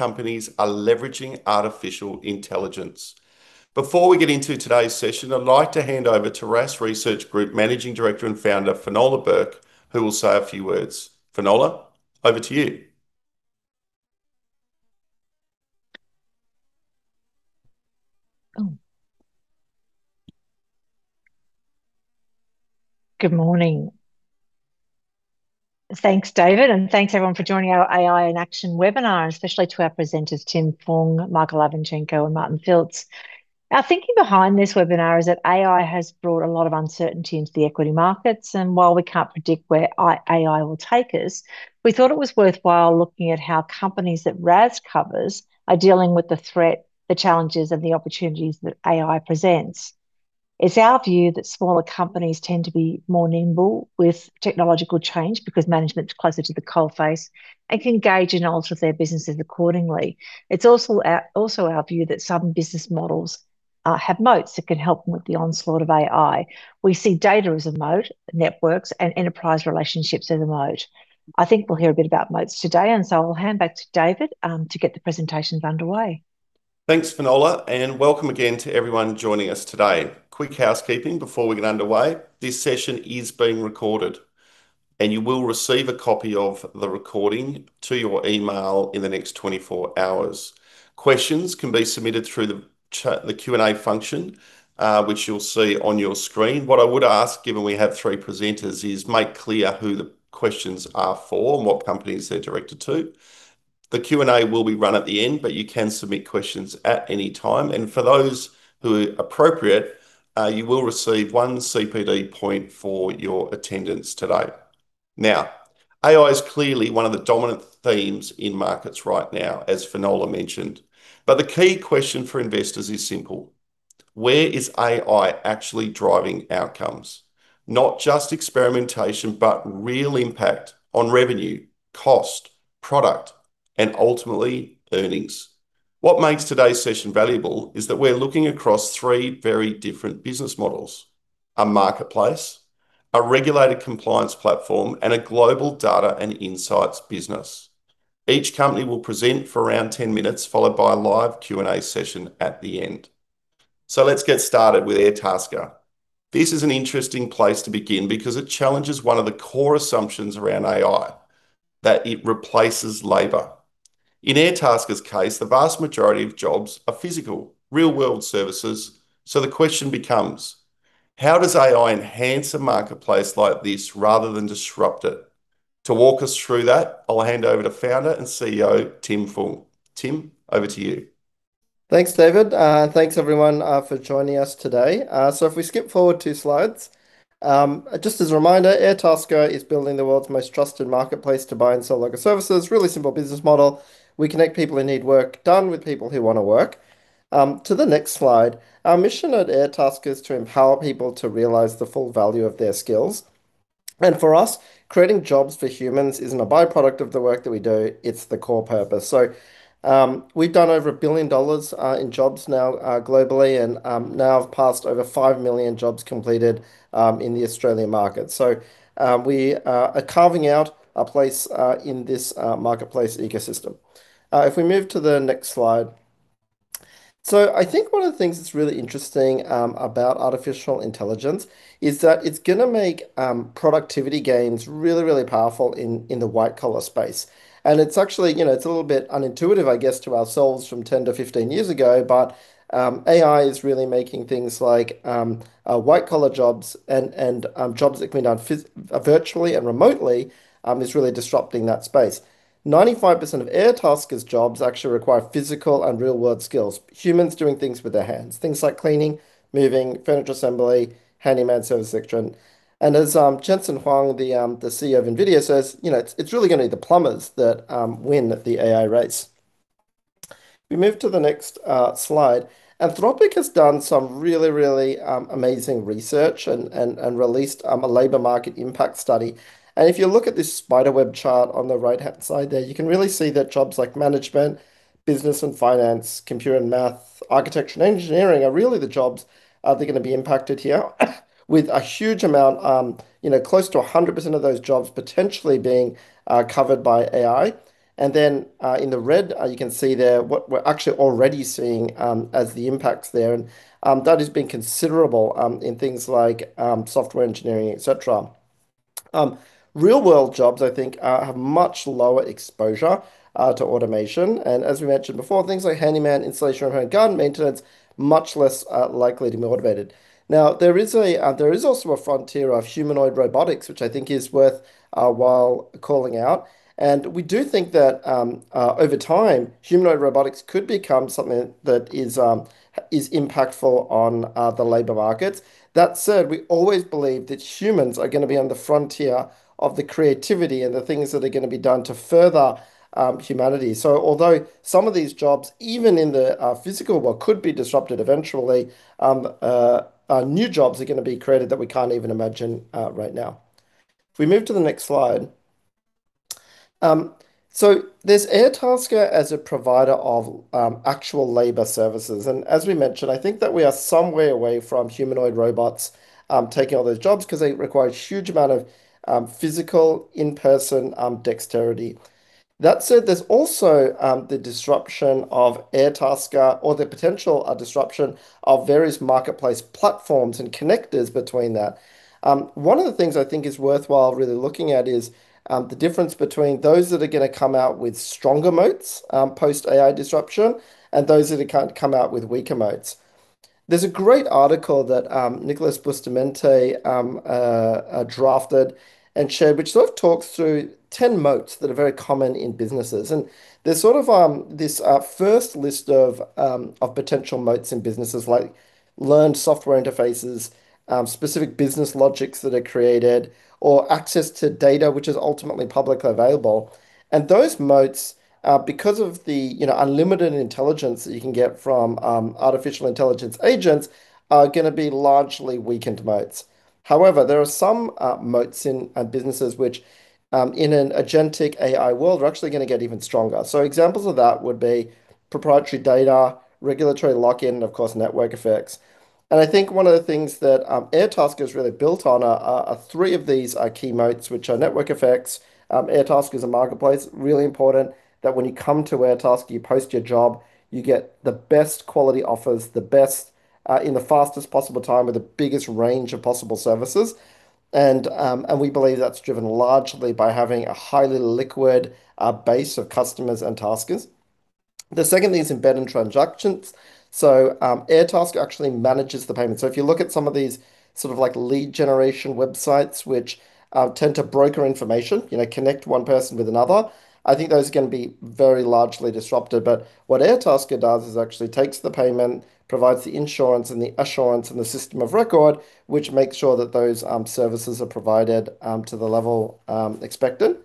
Companies are leveraging artificial intelligence. Before we get into today's session, I'd like to hand over to RaaS Research Group Managing Director and Founder, Finola Burke, who will say a few words. Finola, over to you. Good morning. Thanks, David, and thanks everyone for joining our AI in Action webinar, especially to our presenters, Tim Fung, Michael Ivanchenko, and Martin Filz. Our thinking behind this webinar is that AI has brought a lot of uncertainty into the equity markets, and while we can't predict where AI will take us, we thought it was worthwhile looking at how companies that RaaS covers are dealing with the threat, the challenges and the opportunities that AI presents. It's our view that smaller companies tend to be more nimble with technological change because management's closer to the coal face and can gauge and alter their businesses accordingly. It's also our view that some business models have moats that can help them with the onslaught of AI. We see data as a moat, networks and enterprise relationships as a moat. I think we'll hear a bit about moats today, and so I'll hand back to David to get the presentations underway. Thanks, Finola, and welcome again to everyone joining us today. Quick housekeeping before we get underway. This session is being recorded, and you will receive a copy of the recording to your email in the next 24 hours. Questions can be submitted through the chat, the Q&A function, which you'll see on your screen. What I would ask, given we have three presenters, is make clear who the questions are for and what companies they're directed to. The Q&A will be run at the end, but you can submit questions at any time. For those who are appropriate, you will receive one CPD point for your attendance today. Now, AI is clearly one of the dominant themes in markets right now, as Finola mentioned. The key question for investors is simple: Where is AI actually driving outcomes? Not just experimentation, but real impact on revenue, cost, product, and ultimately earnings. What makes today's session valuable is that we're looking across three very different business models: a marketplace, a regulated compliance platform, and a global data and insights business. Each company will present for around 10 minutes, followed by a live Q&A session at the end. Let's get started with Airtasker. This is an interesting place to begin because it challenges one of the core assumptions around AI, that it replaces labor. In Airtasker's case, the vast majority of jobs are physical, real-world services, so the question becomes: How does AI enhance a marketplace like this rather than disrupt it? To walk us through that, I'll hand over to Founder and CEO, Tim Fung. Tim, over to you. Thanks, David. Thanks everyone for joining us today. If we skip forward two slides. Just as a reminder, Airtasker is building the world's most trusted marketplace to buy and sell local services. Really simple business model. We connect people who need work done with people who wanna work. To the next slide. Our mission at Airtasker is to empower people to realize the full value of their skills. For us, creating jobs for humans isn't a by-product of the work that we do, it's the core purpose. We've done over 1 billion dollars in jobs now globally and now have passed over 5 million jobs completed in the Australian market. We are carving out a place in this marketplace ecosystem. If we move to the next slide. I think one of the things that's really interesting about artificial intelligence is that it's gonna make productivity gains really powerful in the white-collar space. It's actually, you know, it's a little bit unintuitive, I guess, to ourselves from 10-15 years ago, but AI is really making things like white-collar jobs and jobs that can be done virtually and remotely, it's really disrupting that space. 95% of Airtasker's jobs actually require physical and real-world skills, humans doing things with their hands, things like cleaning, moving, furniture assembly, handyman service, et cetera. As Jensen Huang, the CEO of NVIDIA says, you know, it's really gonna be the plumbers that win the AI race. If we move to the next slide. Anthropic has done some really amazing research and released a labor market impact study. If you look at this spider web chart on the right-hand side there, you can really see that jobs like management, business and finance, computer and math, architecture and engineering are really the jobs that are gonna be impacted here with a huge amount, you know, close to 100% of those jobs potentially being covered by AI. In the red, you can see there what we're actually already seeing as the impacts there. That has been considerable in things like software engineering, et cetera. Real-world jobs, I think, have much lower exposure to automation. As we mentioned before, things like handyman, installation, home garden maintenance, much less likely to be automated. Now, there is also a frontier of humanoid robotics, which I think is worthwhile calling out. We do think that over time, humanoid robotics could become something that is impactful on the labor markets. That said, we always believe that humans are gonna be on the frontier of the creativity and the things that are gonna be done to further humanity. Although some of these jobs, even in the physical world, could be disrupted eventually, new jobs are gonna be created that we can't even imagine right now. If we move to the next slide. There's Airtasker as a provider of actual labor services. As we mentioned, I think that we are some way away from humanoid robots taking all those jobs 'cause they require a huge amount of physical, in-person dexterity. That said, there's also the disruption of Airtasker or the potential of disruption of various marketplace platforms and connectors between that. One of the things I think is worthwhile really looking at is the difference between those that are gonna come out with stronger moats post-AI disruption, and those that are gonna come out with weaker moats. There's a great article that Nicolas Bustamante drafted and shared, which sort of talks through 10 moats that are very common in businesses. There's sort of this first list of potential moats in businesses like learned software interfaces, specific business logics that are created, or access to data which is ultimately publicly available. Those moats, because of the, you know, unlimited intelligence that you can get from, artificial intelligence agents, are gonna be largely weakened moats. However, there are some moats in businesses which in an agentic AI world are actually gonna get even stronger. Examples of that would be proprietary data, regulatory lock-in, and of course, network effects. I think one of the things that Airtasker has really built on are three of these are key moats, which are network effects. Airtasker is a marketplace. Really important that when you come to Airtasker, you post your job, you get the best quality offers, the best in the fastest possible time with the biggest range of possible services. We believe that's driven largely by having a highly liquid base of customers and taskers. The second thing is embedded transactions. Airtasker actually manages the payment. If you look at some of these sort of like lead generation websites which tend to broker information, you know, connect one person with another, I think those are gonna be very largely disrupted. What Airtasker does is actually takes the payment, provides the insurance and the assurance and the system of record, which makes sure that those services are provided to the level expected.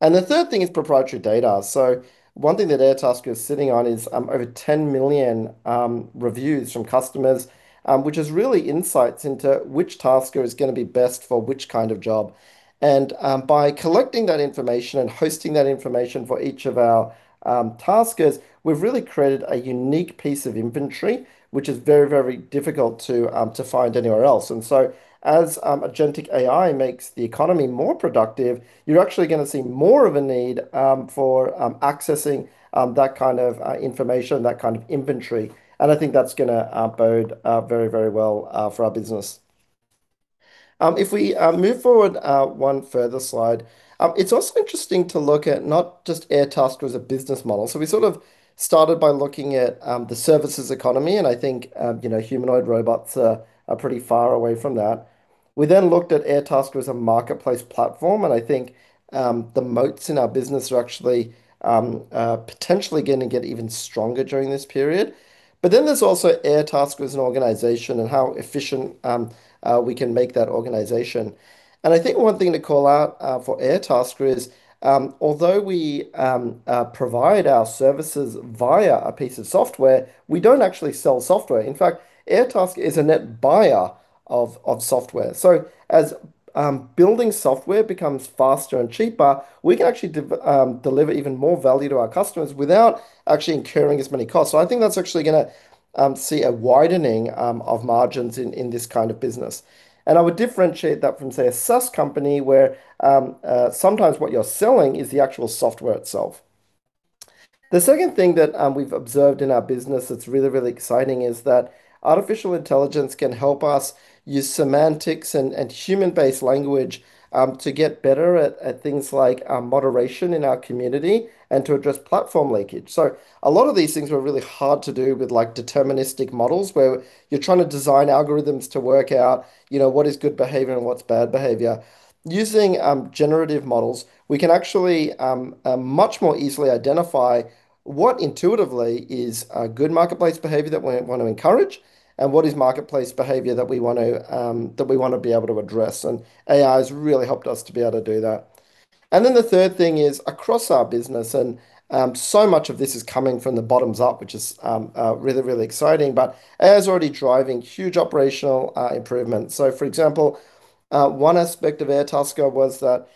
The third thing is proprietary data. One thing that Airtasker is sitting on is over 10 million reviews from customers, which is really insights into which tasker is gonna be best for which kind of job. By collecting that information and hosting that information for each of our taskers, we've really created a unique piece of inventory, which is very, very difficult to find anywhere else. As agentic AI makes the economy more productive, you're actually gonna see more of a need for accessing that kind of information, that kind of inventory. I think that's gonna bode very, very well for our business. If we move forward one further slide. It's also interesting to look at not just Airtasker as a business model. We sort of started by looking at the services economy, and I think you know humanoid robots are pretty far away from that. We then looked at Airtasker as a marketplace platform, and I think the moats in our business are actually potentially gonna get even stronger during this period. There's also Airtasker as an organization and how efficient we can make that organization. I think one thing to call out for Airtasker is although we provide our services via a piece of software, we don't actually sell software. In fact, Airtasker is a net buyer of software. As building software becomes faster and cheaper, we can actually deliver even more value to our customers without actually incurring as many costs. I think that's actually gonna see a widening of margins in this kind of business. I would differentiate that from, say, a SaaS company where sometimes what you're selling is the actual software itself. The second thing that we've observed in our business that's really exciting is that artificial intelligence can help us use semantics and human-based language to get better at things like moderation in our community and to address platform leakage. A lot of these things were really hard to do with like deterministic models where you're trying to design algorithms to work out, you know, what is good behavior and what's bad behavior. Using generative models, we can actually much more easily identify what intuitively is a good marketplace behavior that we want to encourage and what is marketplace behavior that we want to be able to address. AI has really helped us to be able to do that. The third thing is across our business, and so much of this is coming from the bottom up, which is really exciting. AI is already driving huge operational improvements. For example, one aspect of Airtasker was that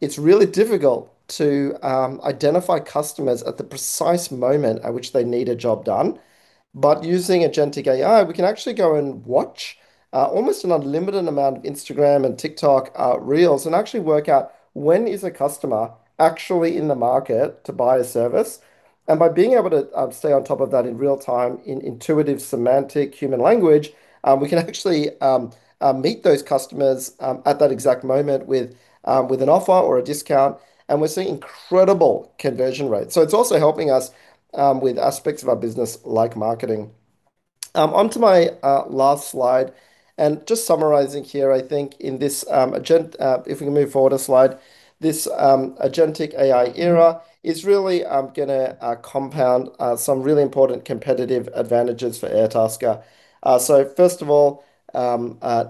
it's really difficult to identify customers at the precise moment at which they need a job done. Using agentic AI, we can actually go and watch almost an unlimited amount of Instagram and TikTok reels and actually work out when is a customer actually in the market to buy a service. By being able to stay on top of that in real time in intuitive, semantic human language, we can actually meet those customers at that exact moment with an offer or a discount, and we're seeing incredible conversion rates. It's also helping us with aspects of our business like marketing. Onto my last slide, and just summarizing here, I think in this if we can move forward a slide. This agentic AI era is really gonna compound some really important competitive advantages for Airtasker. First of all,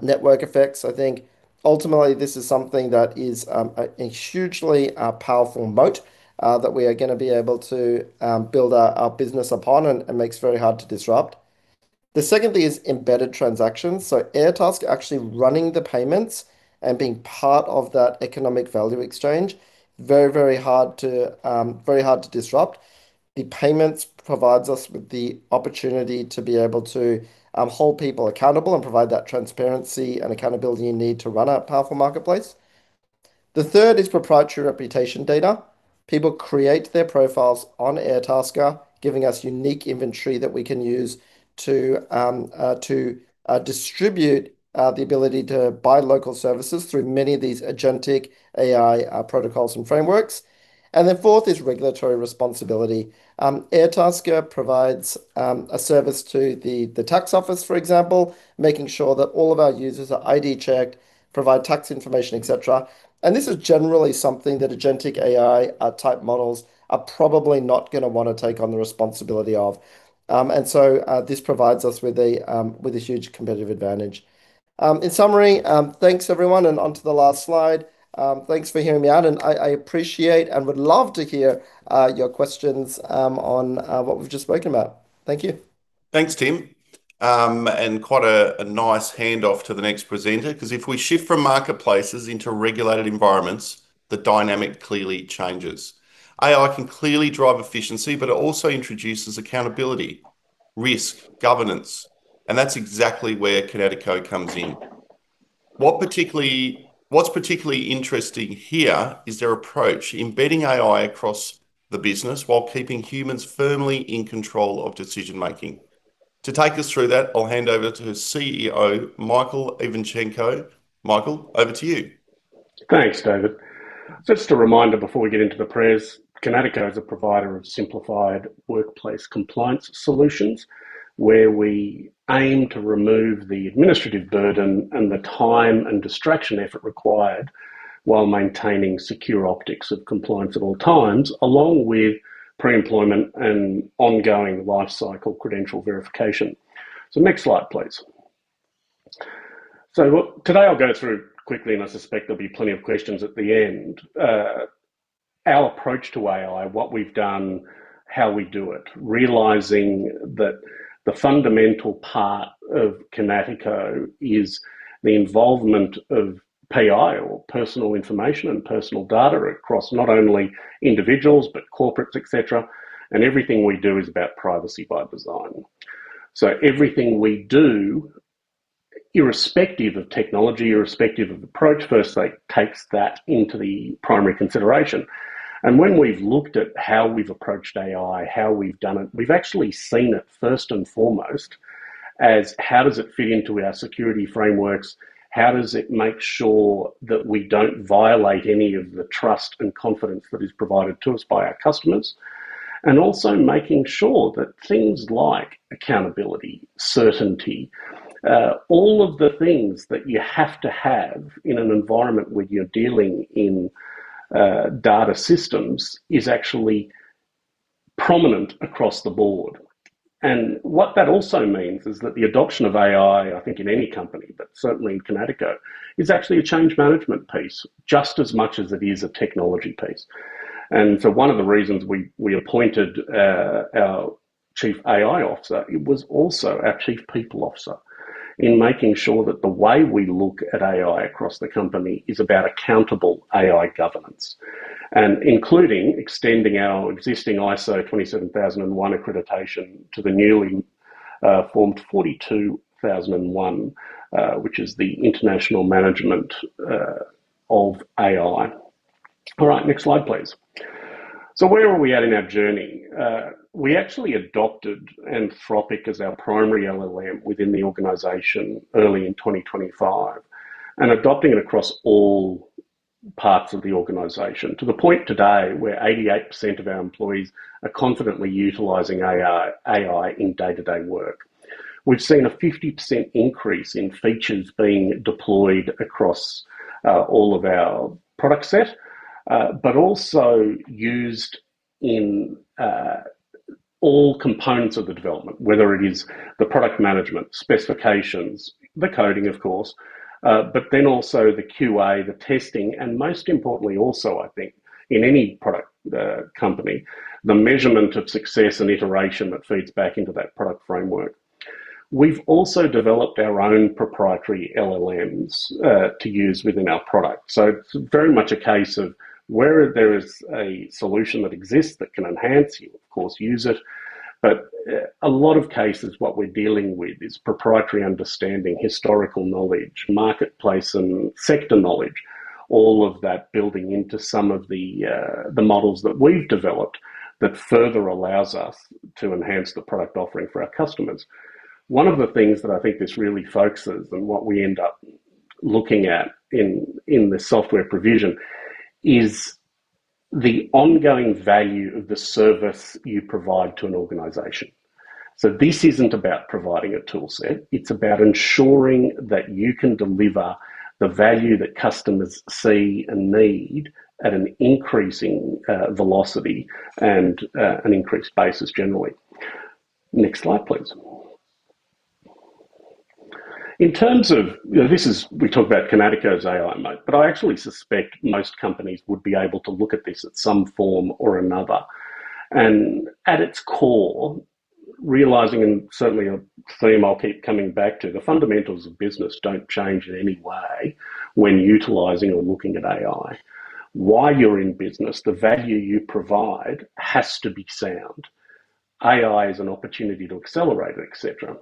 network effects. I think ultimately this is something that is a hugely powerful moat that we are gonna be able to build our business upon and makes it very hard to disrupt. The second thing is embedded transactions. Airtasker actually running the payments and being part of that economic value exchange, very hard to disrupt. The payments provides us with the opportunity to be able to hold people accountable and provide that transparency and accountability you need to run a powerful marketplace. The third is proprietary reputation data. People create their profiles on Airtasker, giving us unique inventory that we can use to distribute the ability to buy local services through many of these agentic AI protocols and frameworks. Then fourth is regulatory responsibility. Airtasker provides a service to the tax office, for example, making sure that all of our users are ID checked, provide tax information, et cetera. This is generally something that agentic AI type models are probably not gonna wanna take on the responsibility of. This provides us with a huge competitive advantage. In summary, thanks everyone, and onto the last slide. Thanks for hearing me out, and I appreciate and would love to hear your questions on what we've just spoken about. Thank you. Thanks, Tim. Quite a nice handoff to the next presenter, 'cause if we shift from marketplaces into regulated environments, the dynamic clearly changes. AI can clearly drive efficiency, but it also introduces accountability, risk, governance, and that's exactly where Kinatico comes in. What's particularly interesting here is their approach, embedding AI across the business while keeping humans firmly in control of decision-making. To take us through that, I'll hand over to the CEO, Michael Ivanchenko. Michael, over to you. Thanks, David. Just a reminder before we get into the prayers. Kinatico is a provider of simplified workplace compliance solutions, where we aim to remove the administrative burden and the time and distraction effort required while maintaining secure optics of compliance at all times, along with pre-employment and ongoing lifecycle credential verification. Next slide, please. Today I'll go through quickly, and I suspect there'll be plenty of questions at the end. Our approach to AI, what we've done, how we do it, realizing that the fundamental part of Kinatico is the involvement of PI or personal information and personal data across not only individuals, but corporates, et cetera, and everything we do is about privacy by design. Everything we do, irrespective of technology, irrespective of approach, firstly takes that into the primary consideration. When we've looked at how we've approached AI, how we've done it, we've actually seen it first and foremost as how does it fit into our security frameworks? How does it make sure that we don't violate any of the trust and confidence that is provided to us by our customers? Also making sure that things like accountability, certainty, all of the things that you have to have in an environment where you're dealing in data systems is actually prominent across the board. What that also means is that the adoption of AI, I think in any company, but certainly in Kinatico, is actually a change management piece just as much as it is a technology piece. One of the reasons we appointed our Chief AI Officer, it was also our Chief People Officer in making sure that the way we look at AI across the company is about accountable AI governance, and including extending our existing ISO 27001 accreditation to the newly formed ISO 42001, which is the international management of AI. All right, next slide, please. Where are we at in our journey? We actually adopted Anthropic as our primary LLM within the organization early in 2025, and adopting it across all parts of the organization to the point today where 88% of our employees are confidently utilizing AI in day-to-day work. We've seen a 50% increase in features being deployed across all of our product set, but also used in all components of the development, whether it is the product management specifications, the coding of course, but then also the QA, the testing, and most importantly also I think in any product company, the measurement of success and iteration that feeds back into that product framework. We've also developed our own proprietary LLMs to use within our product. It's very much a case of where there is a solution that exists that can enhance you, of course, use it. A lot of cases what we're dealing with is proprietary understanding, historical knowledge, marketplace and sector knowledge, all of that building into some of the models that we've developed that further allows us to enhance the product offering for our customers. One of the things that I think this really focuses and what we end up looking at in the software provision is the ongoing value of the service you provide to an organization. This isn't about providing a toolset, it's about ensuring that you can deliver the value that customers see and need at an increasing velocity and an increased basis generally. Next slide, please. You know, this is. We talk about Kinatico's AI model, but I actually suspect most companies would be able to look at this in some form or another. At its core, realizing, and certainly a theme I'll keep coming back to, the fundamentals of business don't change in any way when utilizing or looking at AI. Why you're in business, the value you provide has to be sound. AI is an opportunity to accelerate, et cetera.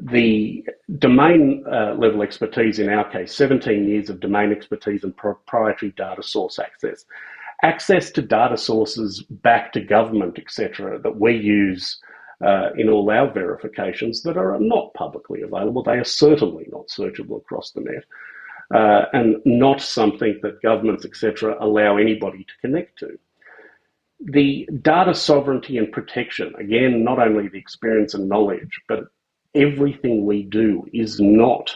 The domain level expertise, in our case, 17 years of domain expertise and proprietary data source access. Access to data sources back to government, et cetera, that we use in all our verifications that are not publicly available. They are certainly not searchable across the net, and not something that governments, et cetera, allow anybody to connect to. The data sovereignty and protection, again, not only the experience and knowledge, but everything we do is not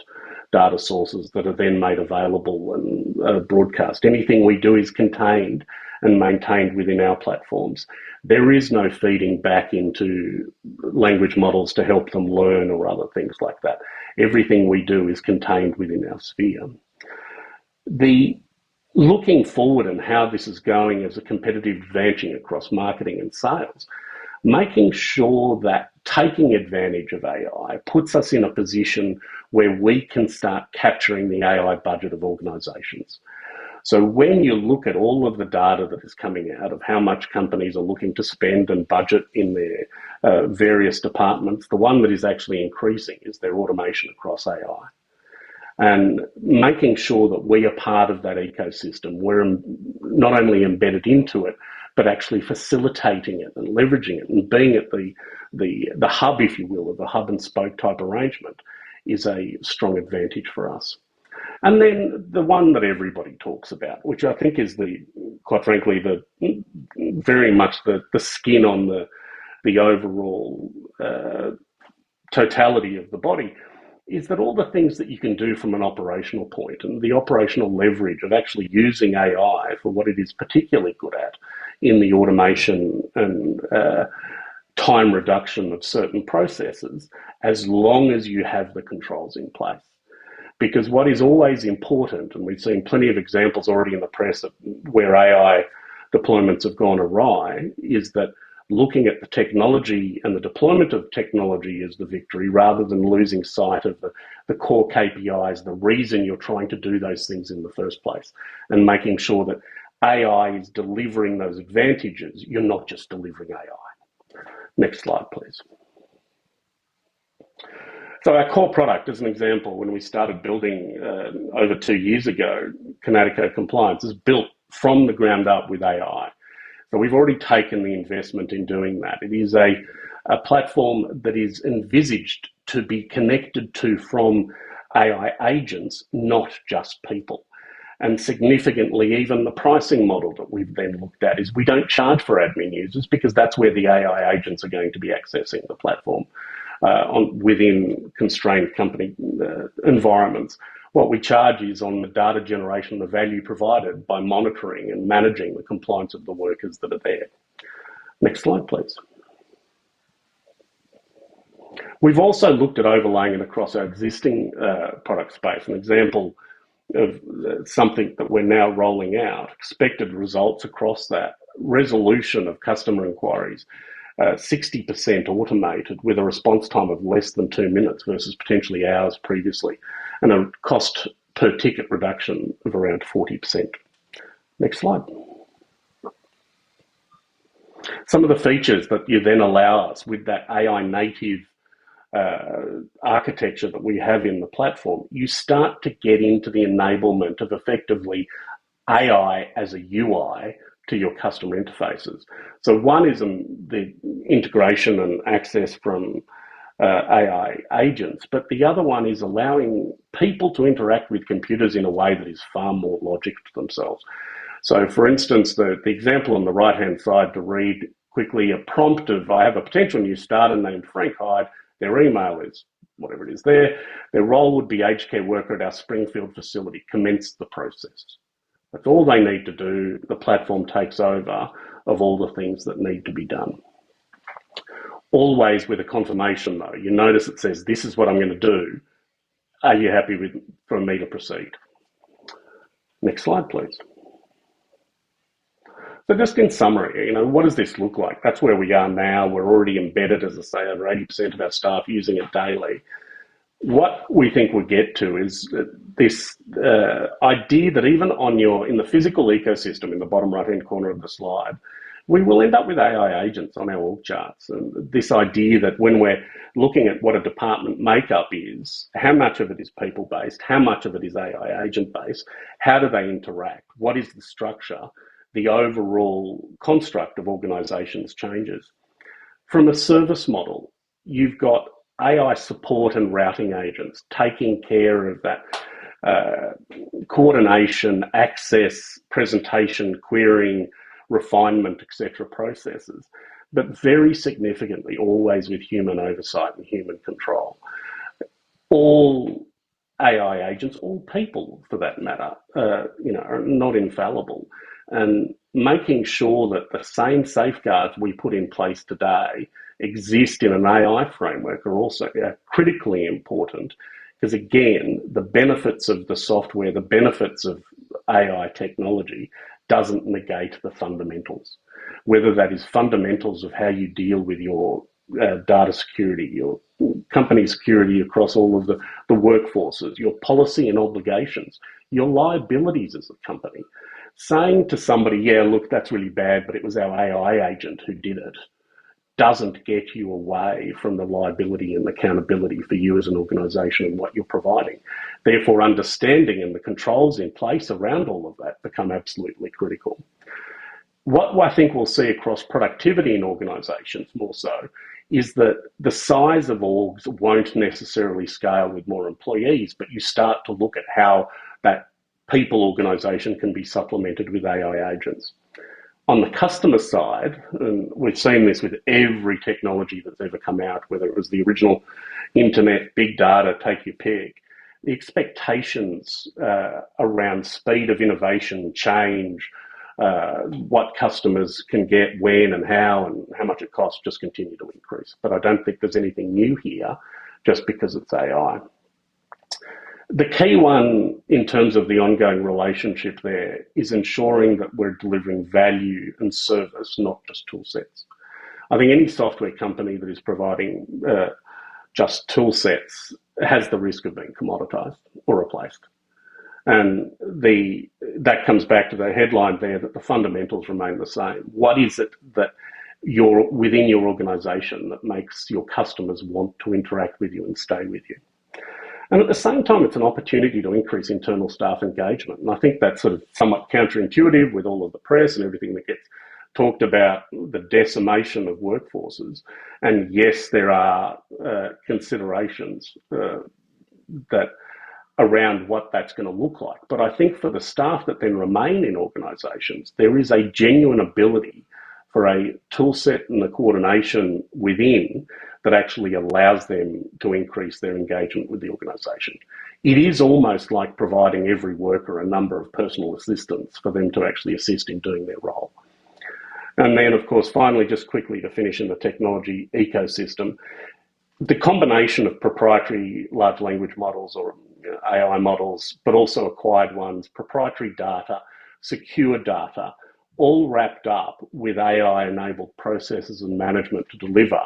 data sources that are then made available and, broadcast. Anything we do is contained and maintained within our platforms. There is no feeding back into language models to help them learn or other things like that. Everything we do is contained within our sphere. Looking forward and how this is going as a competitive advantage across marketing and sales, making sure that taking advantage of AI puts us in a position where we can start capturing the AI budget of organizations. When you look at all of the data that is coming out of how much companies are looking to spend and budget in their various departments, the one that is actually increasing is their automation across AI. Making sure that we are part of that ecosystem, we're not only embedded into it, but actually facilitating it and leveraging it, and being at the hub, if you will, of a hub and spoke type arrangement is a strong advantage for us. The one that everybody talks about, which I think is, quite frankly, the very much the skin on the overall totality of the body, is that all the things that you can do from an operational point and the operational leverage of actually using AI for what it is particularly good at in the automation and time reduction of certain processes, as long as you have the controls in place. Because what is always important, and we've seen plenty of examples already in the press of where AI deployments have gone awry, is that looking at the technology and the deployment of technology is the victory, rather than losing sight of the core KPIs, the reason you're trying to do those things in the first place, and making sure that AI is delivering those advantages. You're not just delivering AI. Next slide, please. Our core product, as an example, when we started building over two years ago, Kinatico Compliance is built from the ground up with AI. We've already taken the investment in doing that. It is a platform that is envisaged to be connected to from AI agents, not just people. Significantly, even the pricing model that we've then looked at is we don't charge for admin users because that's where the AI agents are going to be accessing the platform within constrained company environments. What we charge is on the data generation, the value provided by monitoring and managing the compliance of the workers that are there. Next slide, please. We've also looked at overlaying it across our existing product space. An example of something that we're now rolling out, expected results across that. Resolution of customer inquiries, 60% automated with a response time of less than two minutes versus potentially hours previously, and a cost per ticket reduction of around 40%. Next slide. Some of the features that you then allow us with that AI-native architecture that we have in the platform, you start to get into the enablement of effectively AI as a UI to your customer interfaces. One is the integration and access from AI agents, but the other one is allowing people to interact with computers in a way that is far more logical to themselves. For instance, the example on the right-hand side to read quickly a prompt of, "I have a potential new starter named Frank Hyde. Their email is," whatever it is there. "Their role would be HK worker at our Springfield facility. Commence the process." That's all they need to do. The platform takes over of all the things that need to be done. Always with a confirmation, though. You notice it says, "This is what I'm gonna do. Are you happy for me to proceed?" Next slide, please. Just in summary, you know, what does this look like? That's where we are now. We're already embedded. As I say, over 80% of our staff using it daily. What we think we get to is this idea that even in the physical ecosystem in the bottom right-hand corner of the slide, we will end up with AI agents on our org charts. This idea that when we're looking at what a department makeup is, how much of it is people-based, how much of it is AI agent-based, how do they interact? What is the structure? The overall construct of organizations changes. From a service model, you've got AI support and routing agents taking care of that, coordination, access, presentation, querying, refinement, et cetera, processes, but very significantly, always with human oversight and human control. All AI agents, all people for that matter, you know, are not infallible. Making sure that the same safeguards we put in place today exist in an AI framework are also, critically important. Because, again, the benefits of the software, the benefits of AI technology doesn't negate the fundamentals. Whether that is fundamentals of how you deal with your, data security, your company security across all of the workforces, your policy and obligations, your liabilities as a company. Saying to somebody, "Yeah, look, that's really bad, but it was our AI agent who did it," doesn't get you away from the liability and accountability for you as an organization and what you're providing. Therefore, understanding and the controls in place around all of that become absolutely critical. What I think we'll see across productivity in organizations more so is that the size of orgs won't necessarily scale with more employees, but you start to look at how that people organization can be supplemented with AI agents. On the customer side, we've seen this with every technology that's ever come out, whether it was the original internet, big data, take your pick, the expectations around speed of innovation change, what customers can get when and how and how much it costs just continue to increase. I don't think there's anything new here just because it's AI. The key one in terms of the ongoing relationship there is ensuring that we're delivering value and service, not just tool sets. I think any software company that is providing just tool sets has the risk of being commoditized or replaced. That comes back to the headline there that the fundamentals remain the same. What is it that you're within your organization that makes your customers want to interact with you and stay with you? At the same time, it's an opportunity to increase internal staff engagement, and I think that's sort of somewhat counterintuitive with all of the press and everything that gets talked about the decimation of workforces. Yes, there are considerations around what that's gonna look like. I think for the staff that then remain in organizations, there is a genuine ability for a tool set and the coordination within that actually allows them to increase their engagement with the organization. It is almost like providing every worker a number of personal assistants for them to actually assist in doing their role. Then of course, finally, just quickly to finish in the technology ecosystem, the combination of proprietary large language models or, you know, AI models, but also acquired ones, proprietary data, secure data, all wrapped up with AI-enabled processes and management to deliver,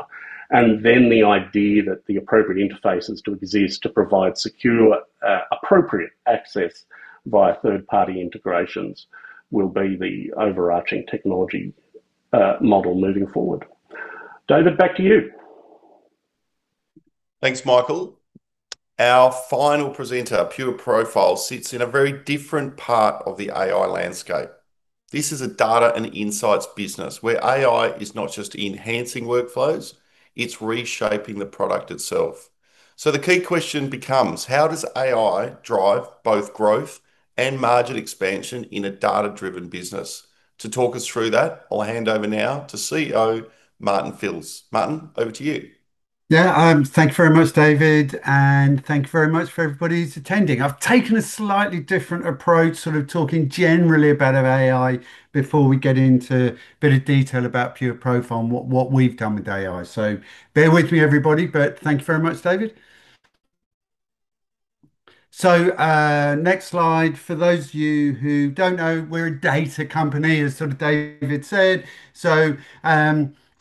and then the idea that the appropriate interfaces to exist to provide secure, appropriate access via third-party integrations will be the overarching technology model moving forward. David, back to you. Thanks, Michael. Our final presenter, Pureprofile, sits in a very different part of the AI landscape. This is a data and insights business where AI is not just enhancing workflows, it's reshaping the product itself. The key question becomes how does AI drive both growth and margin expansion in a data-driven business? To talk us through that, I'll hand over now to CEO Martin Filz. Martin, over to you. Yeah. Thank you very much, David, and thank you very much for everybody who's attending. I've taken a slightly different approach, sort of talking generally about AI before we get into a bit of detail about Pureprofile and what we've done with AI. Bear with me, everybody, but thank you very much, David. Next slide. For those of you who don't know, we're a data company, as sort of David said.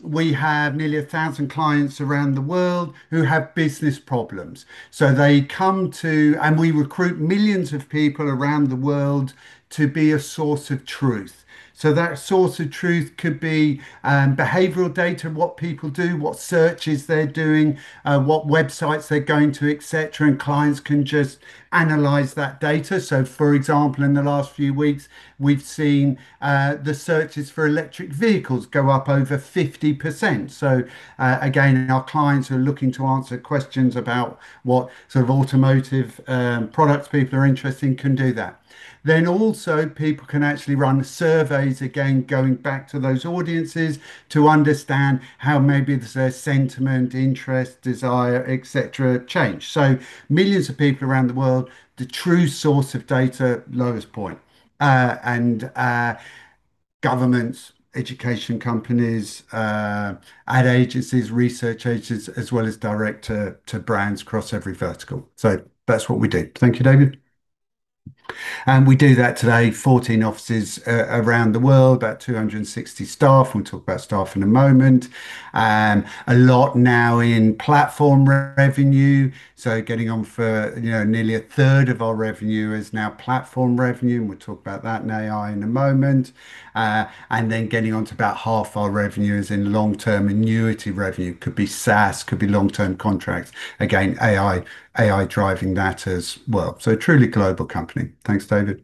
We have nearly 1,000 clients around the world who have business problems. They come to us and we recruit millions of people around the world to be a source of truth. That source of truth could be behavioral data, what people do, what searches they're doing, what websites they're going to, et cetera, and clients can just analyze that data. For example, in the last few weeks, we've seen the searches for electric vehicles go up over 50%. Again, our clients who are looking to answer questions about what sort of automotive products people are interested in can do that. Also people can actually run surveys, again, going back to those audiences to understand how maybe the sentiment, interest, desire, et cetera, change. Millions of people around the world, the true source of data, lowest point. Governments, education companies, ad agencies, research agencies, as well as direct to brands across every vertical. That's what we do. Thank you, David. We do that today, 14 offices around the world, about 260 staff. We'll talk about staff in a moment. A lot now in platform revenue, so getting on for, you know, nearly a third of our revenue is now platform revenue, and we'll talk about that and AI in a moment. Getting on to about half our revenue is in long-term annuity revenue. Could be SaaS, could be long-term contracts. Again, AI driving that as well. A truly global company. Thanks, David.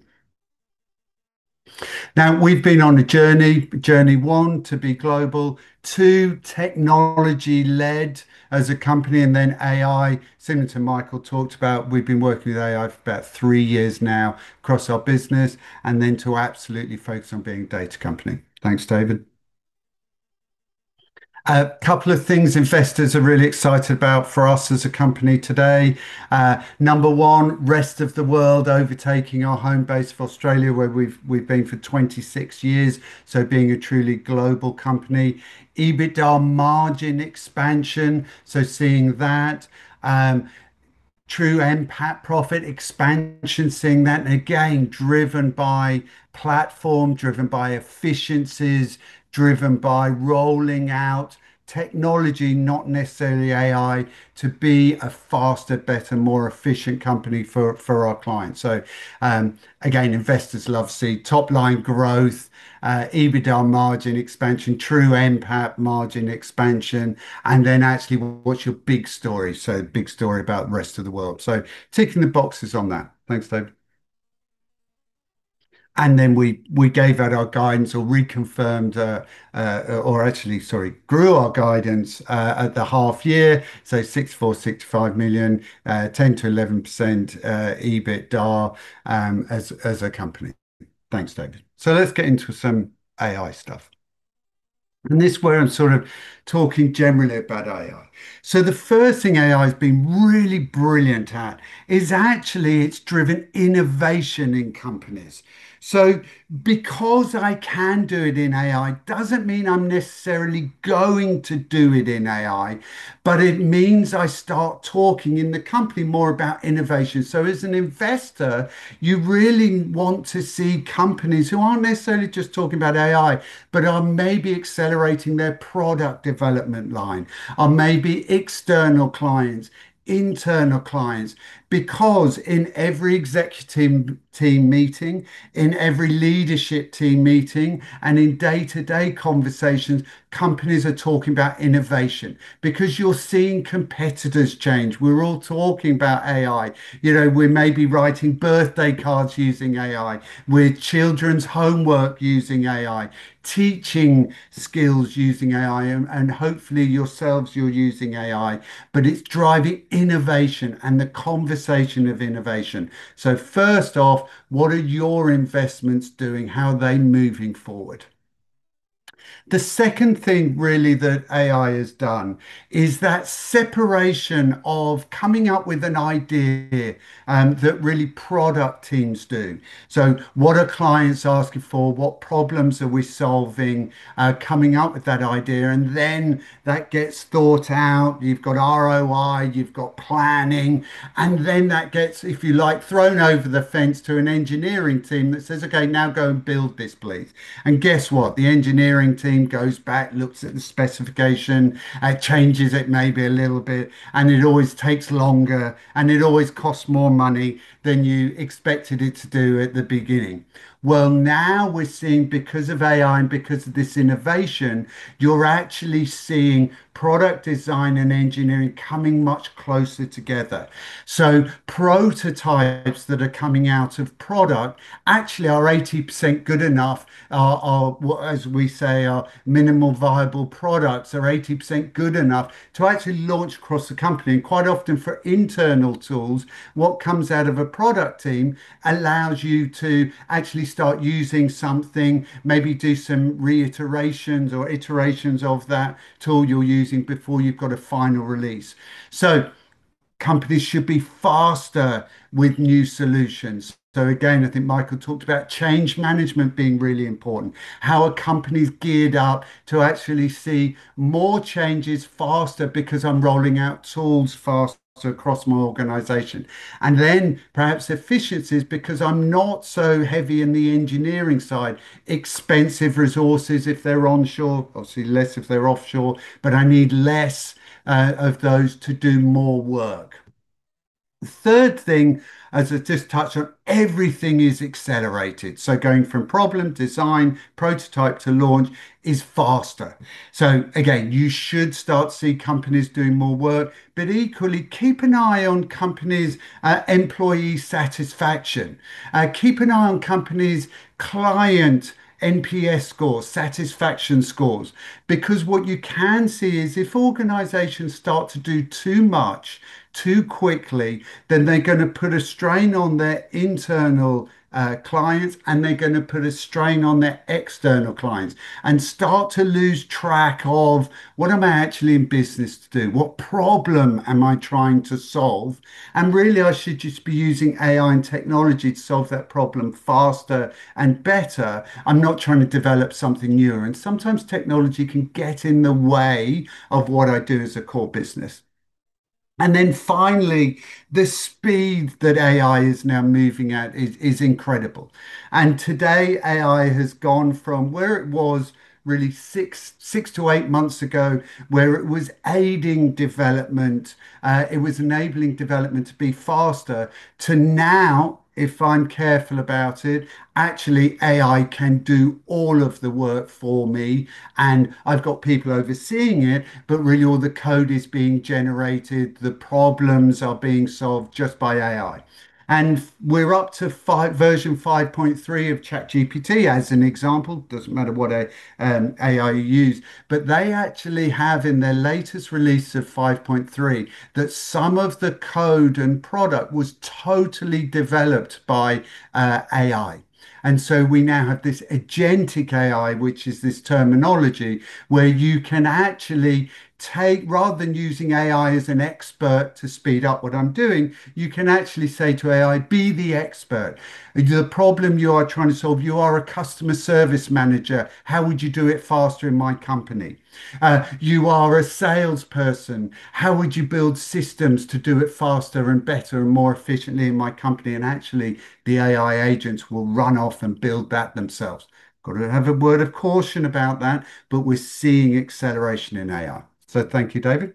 Now, we've been on a journey. Journey one, to be global. Two, technology-led as a company, and then AI. Similar to Michael talked about, we've been working with AI for about three years now across our business, and then to absolutely focus on being a data company. Thanks, David. A couple of things investors are really excited about for us as a company today. Number one, rest of the world overtaking our home base of Australia, where we've been for 26 years, being a truly global company. EBITDA margin expansion, seeing that. True NPAT profit expansion, seeing that. Again, driven by platform, driven by efficiencies, driven by rolling out technology, not necessarily AI, to be a faster, better, more efficient company for our clients. Again, investors love to see top line growth, EBITDA margin expansion, true NPAT margin expansion, and then actually, what's your big story? Big story about the rest of the world. Ticking the boxes on that. Thanks, David. Then we gave out our guidance or reconfirmed, or actually, sorry, grew our guidance at the half year, so 64 million-65 million, 10%-11% EBITDA as a company. Thanks, David. Let's get into some AI stuff. This is where I'm sort of talking generally about AI. The first thing AI's been really brilliant at is actually it's driven innovation in companies. Because I can do it in AI doesn't mean I'm necessarily going to do it in AI, but it means I start talking in the company more about innovation. As an investor, you really want to see companies who aren't necessarily just talking about AI, but are maybe accelerating their product development line, or maybe external clients, internal clients. Because in every executive team meeting, in every leadership team meeting, and in day-to-day conversations, companies are talking about innovation because you're seeing competitors change. We're all talking about AI. You know, we're maybe writing birthday cards using AI. We're doing children's homework using AI. Teaching skills using AI and hopefully yourselves you're using AI, but it's driving innovation and the conversation of innovation. First off, what are your investments doing? How are they moving forward? The second thing really that AI has done is that separation of coming up with an idea, that really product teams do. What are clients asking for? What problems are we solving? Coming up with that idea, and then that gets thought out. You've got ROI, you've got planning, and then that gets, if you like, thrown over the fence to an engineering team that says, "Okay, now go and build this, please." Guess what? The engineering team goes back, looks at the specification, changes it maybe a little bit, and it always takes longer, and it always costs more money than you expected it to do at the beginning. Well, now we're seeing because of AI and because of this innovation, you're actually seeing product design and engineering coming much closer together. Prototypes that are coming out of product actually are 80% good enough. Our, what as we say, our minimum viable products are 80% good enough to actually launch across the company. Quite often for internal tools, what comes out of a product team allows you to actually start using something, maybe do some reiterations or iterations of that tool you're using before you've got a final release. Companies should be faster with new solutions. Again, I think Michael talked about change management being really important. How are companies geared up to actually see more changes faster because I'm rolling out tools faster across my organization? Then perhaps efficiencies because I'm not so heavy in the engineering side. Expensive resources if they're onshore, obviously less if they're offshore, but I need less of those to do more work. The third thing, as I just touched on, everything is accelerated. Going from problem, design, prototype to launch is faster. Again, you should start to see companies doing more work, but equally, keep an eye on companies' employee satisfaction. Keep an eye on companies' client NPS scores, satisfaction scores. Because what you can see is if organizations start to do too much too quickly, then they're gonna put a strain on their internal clients, and they're gonna put a strain on their external clients, and start to lose track of what am I actually in business to do? What problem am I trying to solve? And really, I should just be using AI and technology to solve that problem faster and better. I'm not trying to develop something newer. Sometimes technology can get in the way of what I do as a core business. Then finally, the speed that AI is now moving at is incredible. Today, AI has gone from where it was really six to eight months ago, where it was aiding development, it was enabling development to be faster, to now, if I'm careful about it, actually AI can do all of the work for me, and I've got people overseeing it, but really all the code is being generated, the problems are being solved just by AI. We're up to five version 5.3 of ChatGPT as an example, doesn't matter what AI you use. They actually have in their latest release of 5.3 that some of the code and product was totally developed by AI. We now have this agentic AI, which is this terminology, where you can actually take rather than using AI as an expert to speed up what I'm doing, you can actually say to AI, "Be the expert. The problem you are trying to solve, you are a customer service manager. How would you do it faster in my company? You are a salesperson. How would you build systems to do it faster and better and more efficiently in my company?" Actually, the AI agents will run off and build that themselves. Got to have a word of caution about that, but we're seeing acceleration in AI. Thank you, David.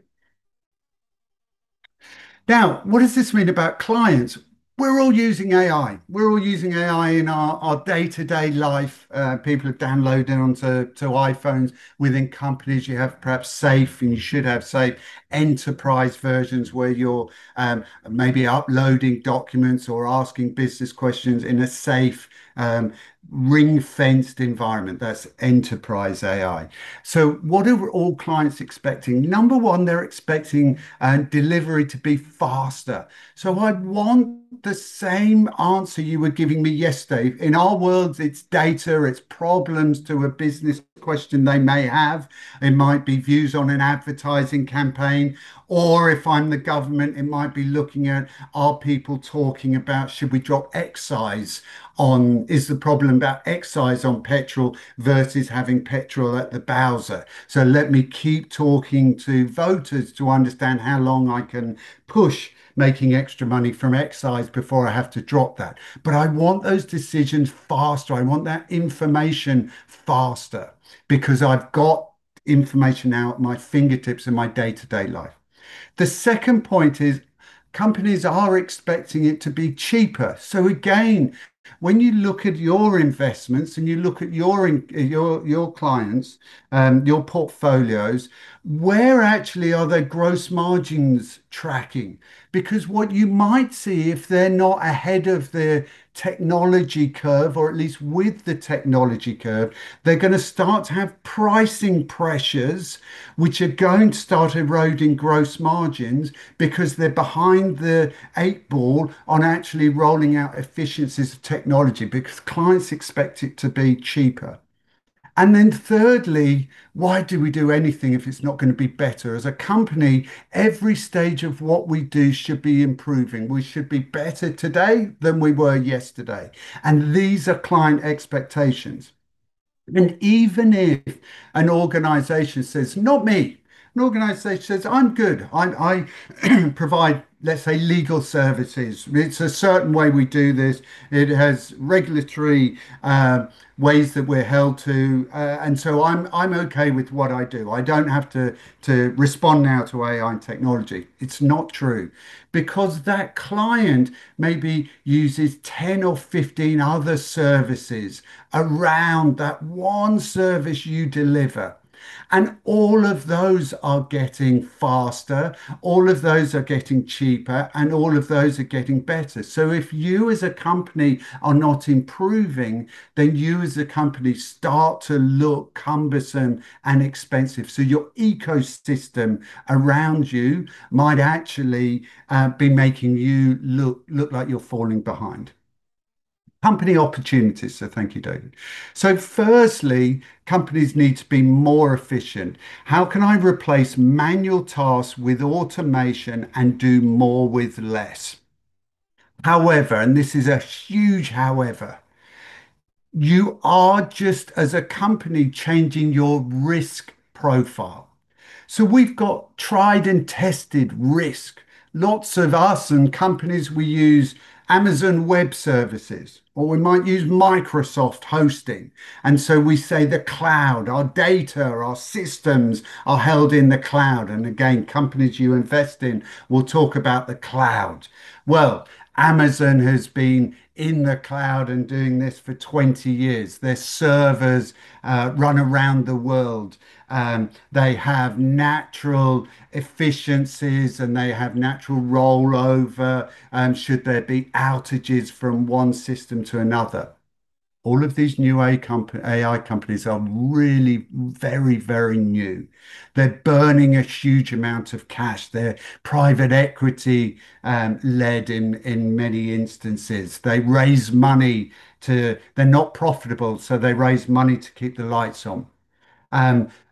Now, what does this mean about clients? We're all using AI. We're all using AI in our day-to-day life. People have downloaded onto iPhones. Within companies you have perhaps safe, and you should have safe enterprise versions where you're maybe uploading documents or asking business questions in a safe ring-fenced environment. That's enterprise AI. What are all clients expecting? Number one, they're expecting delivery to be faster. I'd want the same answer you were giving me yesterday. In our worlds, it's data, it's problems to a business question they may have. It might be views on an advertising campaign, or if I'm the government, it might be looking at are people talking about should we drop excise on. Is the problem about excise on petrol versus having petrol at the bowser? Let me keep talking to voters to understand how long I can push making extra money from excise before I have to drop that. I want those decisions faster, I want that information faster because I've got information now at my fingertips in my day-to-day life. The second point is companies are expecting it to be cheaper. Again, when you look at your investments and you look at your clients, your portfolios, where actually are their gross margins tracking? Because what you might see if they're not ahead of the technology curve, or at least with the technology curve, they're gonna start to have pricing pressures which are going to start eroding gross margins because they're behind the eight ball on actually rolling out efficiencies of technology, because clients expect it to be cheaper. Then thirdly, why do we do anything if it's not gonna be better? As a company, every stage of what we do should be improving. We should be better today than we were yesterday, and these are client expectations. Even if an organization says, "Not me," an organization says, "I'm good. I provide, let's say, legal services. It's a certain way we do this. It has regulatory ways that we're held to, and so I'm okay with what I do. I don't have to respond now to AI and technology." It's not true. Because that client maybe uses 10 or 15 other services around that one service you deliver, and all of those are getting faster, all of those are getting cheaper, and all of those are getting better. If you as a company are not improving, then you as a company start to look cumbersome and expensive. Your ecosystem around you might actually be making you look like you're falling behind. Company opportunities, thank you, David. Firstly, companies need to be more efficient. How can I replace manual tasks with automation and do more with less? However, and this is a huge however, you are just as a company changing your risk profile. We've got tried and tested risk. Lots of us and companies we use Amazon Web Services or we might use Microsoft Hosting. We say the cloud, our data, our systems are held in the cloud. Again, companies you invest in will talk about the cloud. Well, Amazon has been in the cloud and doing this for 20 years. Their servers run around the world. They have natural efficiencies and they have natural rollover should there be outages from one system to another. All of these new AI companies are really very, very new. They're burning a huge amount of cash. They're private equity led in many instances. They raise money to keep the lights on. They're not profitable, so they raise money to keep the lights on.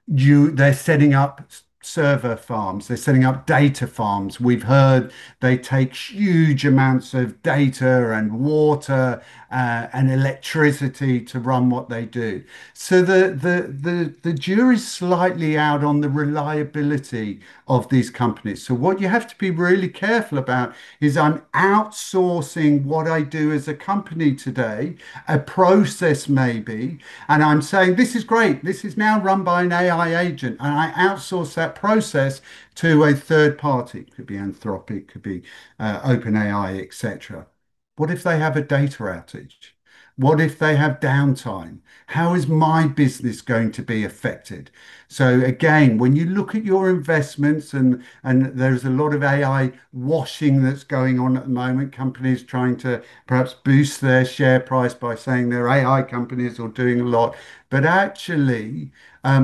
They're setting up server farms, they're setting up data farms. We've heard they take huge amounts of data and water and electricity to run what they do. The jury's slightly out on the reliability of these companies. What you have to be really careful about is I'm outsourcing what I do as a company today, a process maybe, and I'm saying, "This is great. This is now run by an AI agent," and I outsource that process to a third party. Could be Anthropic, could be OpenAI, et cetera. What if they have a data outage? What if they have downtime? How is my business going to be affected? Again, when you look at your investments and there's a lot of AI washing that's going on at the moment, companies trying to perhaps boost their share price by saying they're AI companies or doing a lot, but actually,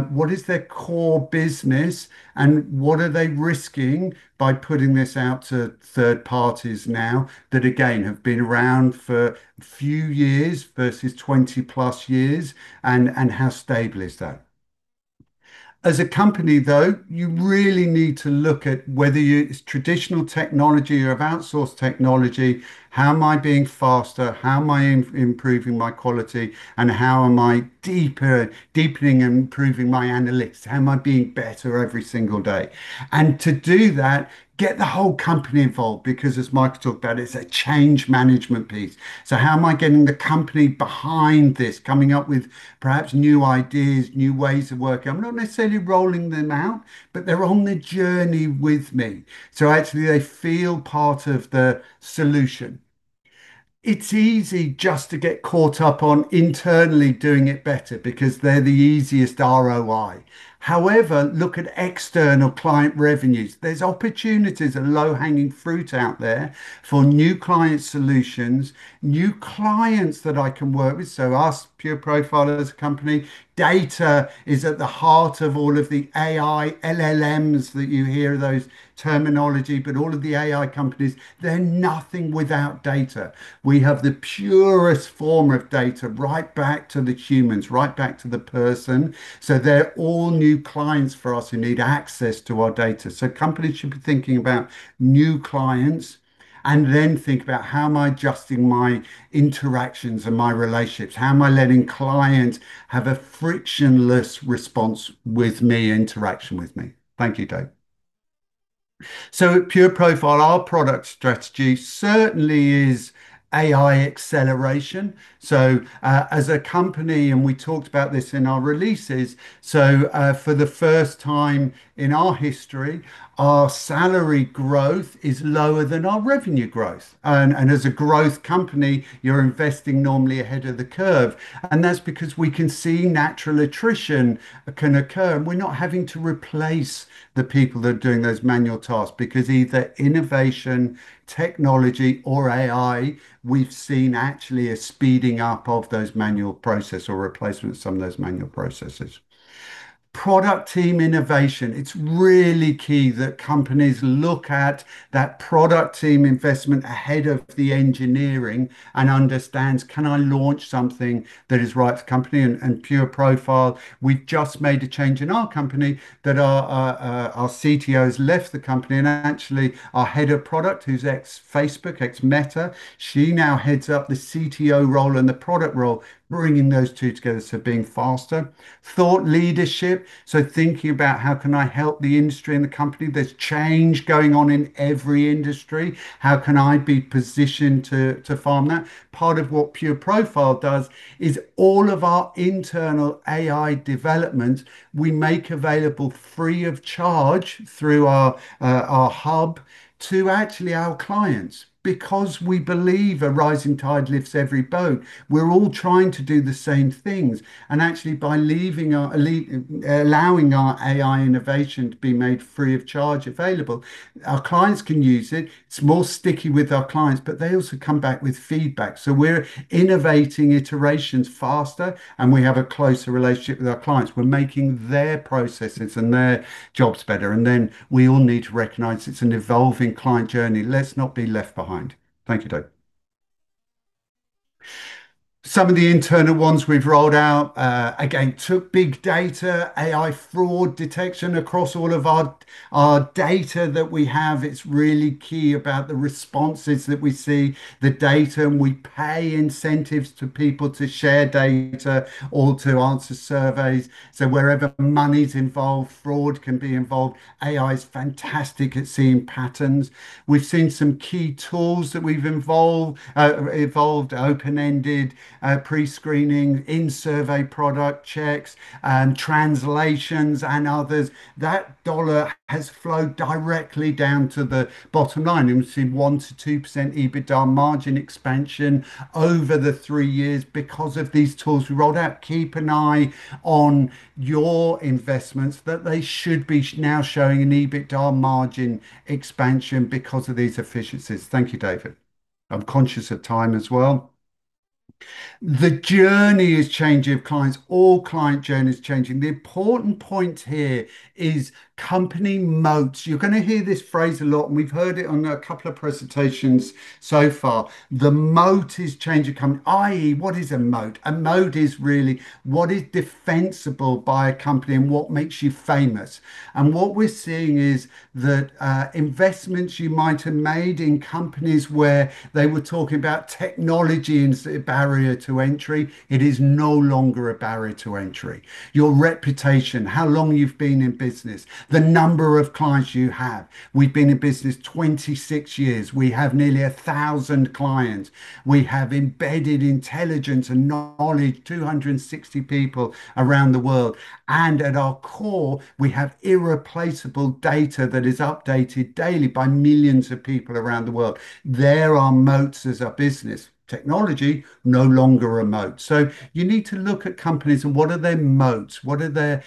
what is their core business and what are they risking by putting this out to third parties now that, again, have been around for a few years versus 20+ years, and how stable is that? As a company though, you really need to look at whether it's traditional technology or outsourced technology, how am I being faster? How am I improving my quality? How am I deepening and improving my analytics? How am I being better every single day? To do that, get the whole company involved because as Mike talked about, it's a change management piece. How am I getting the company behind this, coming up with perhaps new ideas, new ways of working? I'm not necessarily rolling them out, but they're on the journey with me, so actually they feel part of the solution. It's easy just to get caught up on internally doing it better because they're the easiest ROI. Look at external client revenues. There's opportunities and low-hanging fruit out there for new client solutions, new clients that I can work with, so us, Pureprofile as a company. Data is at the heart of all of the AI, LLMs that you hear, those terminology, but all of the AI companies, they're nothing without data. We have the purest form of data right back to the humans, right back to the person, so they're all new clients for us who need access to our data. Companies should be thinking about new clients, and then think about how am I adjusting my interactions and my relationships? How am I letting clients have a frictionless response with me, interaction with me? Thank you, Dave. At Pureprofile, our product strategy certainly is AI acceleration. As a company, and we talked about this in our releases, so, for the first time in our history, our salary growth is lower than our revenue growth. As a growth company, you're investing normally ahead of the curve, and that's because we can see natural attrition can occur, and we're not having to replace the people that are doing those manual tasks because either innovation, technology, or AI, we've seen actually a speeding up of those manual process or replacement of some of those manual processes. Product team innovation. It's really key that companies look at that product team investment ahead of the engineering and understands, can I launch something that is right for the company? Pureprofile, we just made a change in our company that our CTO's left the company, and actually, our head of product, who's ex-Facebook, ex-Meta, she now heads up the CTO role and the product role, bringing those two together, so being faster. Thought leadership, thinking about how can I help the industry and the company? There's change going on in every industry. How can I be positioned to farm that? Part of what Pureprofile does is all of our internal AI development, we make available free of charge through our hub to actually our clients because we believe a rising tide lifts every boat. We're all trying to do the same things, and actually by allowing our AI innovation to be made free of charge available, our clients can use it. It's more sticky with our clients, but they also come back with feedback. We're innovating iterations faster, and we have a closer relationship with our clients. We're making their processes and their jobs better. Then we all need to recognize it's an evolving client journey. Let's not be left behind. Thank you, Dave. Some of the internal ones we've rolled out, again, took big data, AI fraud detection across all of our data that we have. It's really key about the responses that we see, the data, and we pay incentives to people to share data or to answer surveys. Wherever money's involved, fraud can be involved. AI's fantastic at seeing patterns. We've seen some key tools that we've evolved, open-ended pre-screening, in-survey product checks, translations and others. That dollar has flowed directly down to the bottom line, and we've seen 1%-2% EBITDA margin expansion over the three years because of these tools we rolled out. Keep an eye on your investments, that they should be now showing an EBITDA margin expansion because of these efficiencies. Thank you, David. I'm conscious of time as well. The client journey is changing. All client journeys are changing. The important point here is company moats. You're gonna hear this phrase a lot, and we've heard it on a couple of presentations so far. The moat is changing company, i.e., what is a moat? A moat is really what is defensible by a company and what makes you famous. What we're seeing is that, investments you might have made in companies where they were talking about technology as a barrier to entry, it is no longer a barrier to entry. Your reputation, how long you've been in business, the number of clients you have. We've been in business 26 years. We have nearly 1,000 clients. We have embedded intelligence and knowledge, 260 people around the world, and at our core, we have irreplaceable data that is updated daily by millions of people around the world. They're our moats as a business. Technology, no longer a moat. You need to look at companies and what are their moats. What are their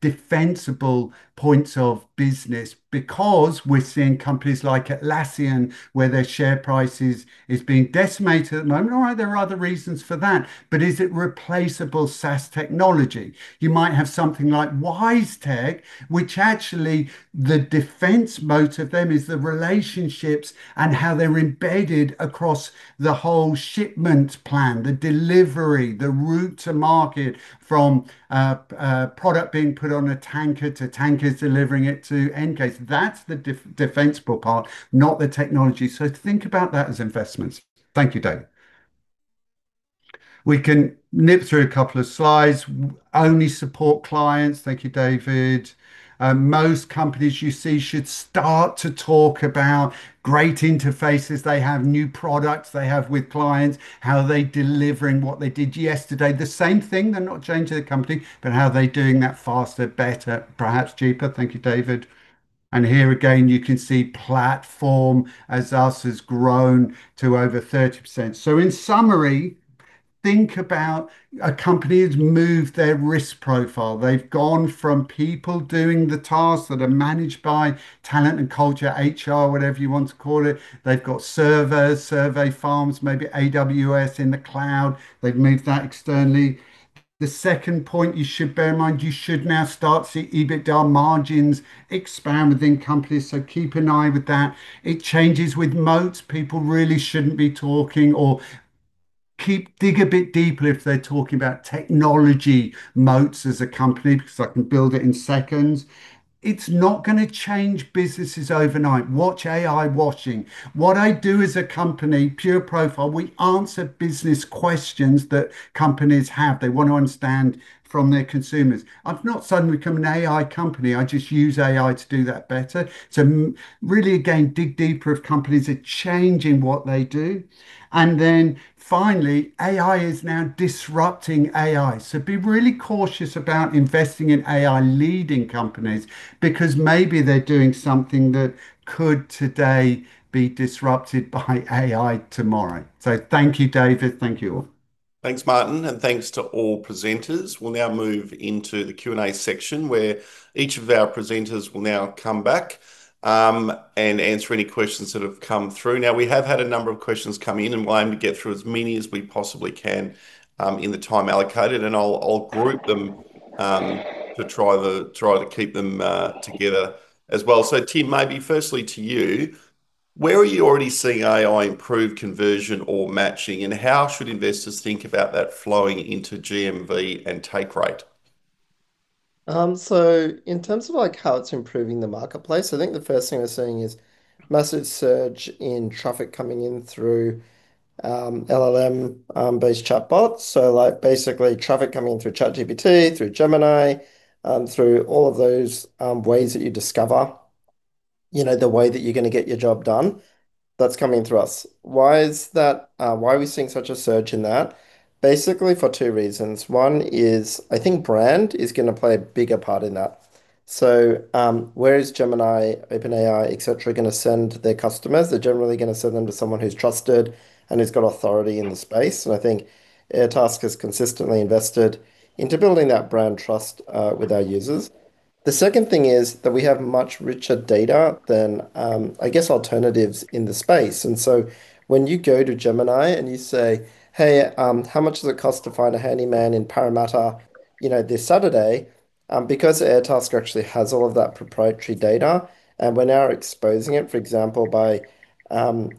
defensible points of business? Because we're seeing companies like Atlassian, where their share price is being decimated at the moment. All right, there are other reasons for that, but is it replaceable SaaS technology? You might have something like WiseTech, which actually the defense moat of them is the relationships and how they're embedded across the whole shipment plan, the delivery, the route to market from product being put on a tanker to tankers delivering it to end case. That's the defensible part, not the technology. Think about that as investments. Thank you, David. We can nip through a couple of slides. Only support clients. Thank you, David. Most companies you see should start to talk about great interfaces they have, new products they have with clients, how are they delivering what they did yesterday. The same thing, they're not changing the company, but how are they doing that faster, better, perhaps cheaper. Thank you, David. Here again, you can see platform SaaS has grown to over 30%. In summary, think about a company that's moved their risk profile. They've gone from people doing the tasks that are managed by talent and culture, HR, whatever you want to call it. They've got servers, server farms, maybe AWS in the cloud. They've moved that externally. The second point you should bear in mind, you should now start to see EBITDA margins expand within companies. Keep an eye on that. It changes with moats. People really shouldn't be talking or dig a bit deeper if they're talking about technology moats as a company, because I can build it in seconds. It's not going to change businesses overnight. Watch AI washing. What I do as a company, Pureprofile, we answer business questions that companies have. They want to understand from their consumers. I've not suddenly become an AI company. I just use AI to do that better. Really, again, dig deeper if companies are changing what they do. Finally, AI is now disrupting AI. Be really cautious about investing in AI-leading companies, because maybe they're doing something that could today be disrupted by AI tomorrow. Thank you, David. Thank you all. Thanks, Martin. Thanks to all presenters. We'll now move into the Q&A section, where each of our presenters will now come back and answer any questions that have come through. Now, we have had a number of questions come in, and we'll aim to get through as many as we possibly can in the time allocated. I'll group them to try to keep them together as well. Tim, maybe firstly to you, where are you already seeing AI improve conversion or matching, and how should investors think about that flowing into GMV and take rate? In terms of, like, how it's improving the marketplace, I think the first thing we're seeing is massive surge in traffic coming in through LLM based chatbots. Like, basically traffic coming in through ChatGPT, through Gemini, through all of those ways that you discover, you know, the way that you're going to get your job done, that's coming through us. Why is that? Why are we seeing such a surge in that? Basically, for two reasons. One is I think brand is gonna play a bigger part in that. Where is Gemini, OpenAI, et cetera, gonna send their customers? They're generally gonna send them to someone who's trusted and who's got authority in the space. I think Airtasker's consistently invested into building that brand trust with our users. The second thing is that we have much richer data than, I guess, alternatives in the space. When you go to Gemini and you say, "Hey, how much does it cost to find a handyman in Parramatta, you know, this Saturday?" Because Airtasker actually has all of that proprietary data, and we're now exposing it, for example, by,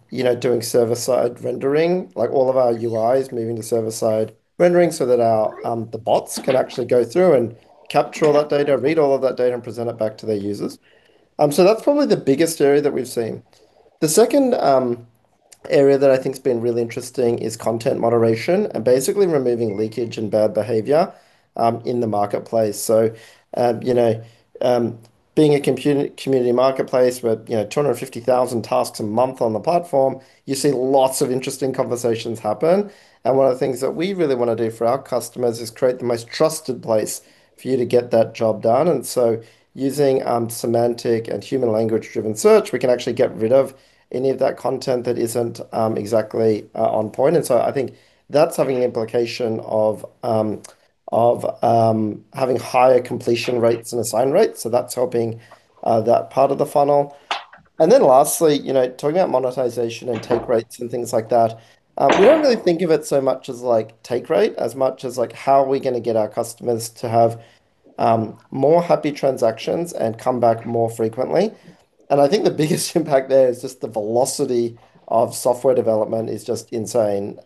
you know, doing server-side rendering, like all of our UI is moving to server-side rendering so that our the bots can actually go through and capture all that data, read all of that data, and present it back to their users. So that's probably the biggest area that we've seen. The second area that I think's been really interesting is content moderation and basically removing leakage and bad behavior in the marketplace. You know, being a community marketplace with 250,000 tasks a month on the platform, you see lots of interesting conversations happen. One of the things that we really want to do for our customers is create the most trusted place for you to get that job done. Using semantic and human language-driven search, we can actually get rid of any of that content that isn't exactly on point. I think that's having an implication of having higher completion rates and assign rates. That's helping that part of the funnel. Then lastly, you know, talking about monetization and take rates and things like that, we don't really think of it so much as, like, take rate, as much as, like, how are we gonna get our customers to have more happy transactions and come back more frequently. I think the biggest impact there is just the velocity of software development is just insane.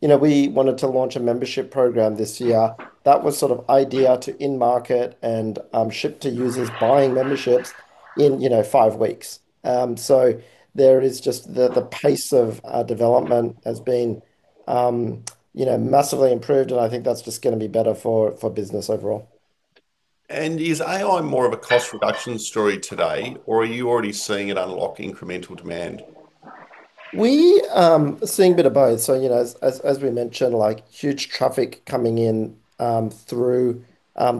You know, we wanted to launch a membership program this year. That was sort of idea to in-market and ship to users buying memberships in, you know, five weeks. There is just the pace of development has been, you know, massively improved, and I think that's just gonna be better for business overall. Is AI more of a cost reduction story today, or are you already seeing it unlock incremental demand? We are seeing a bit of both. You know, as we mentioned, like huge traffic coming in through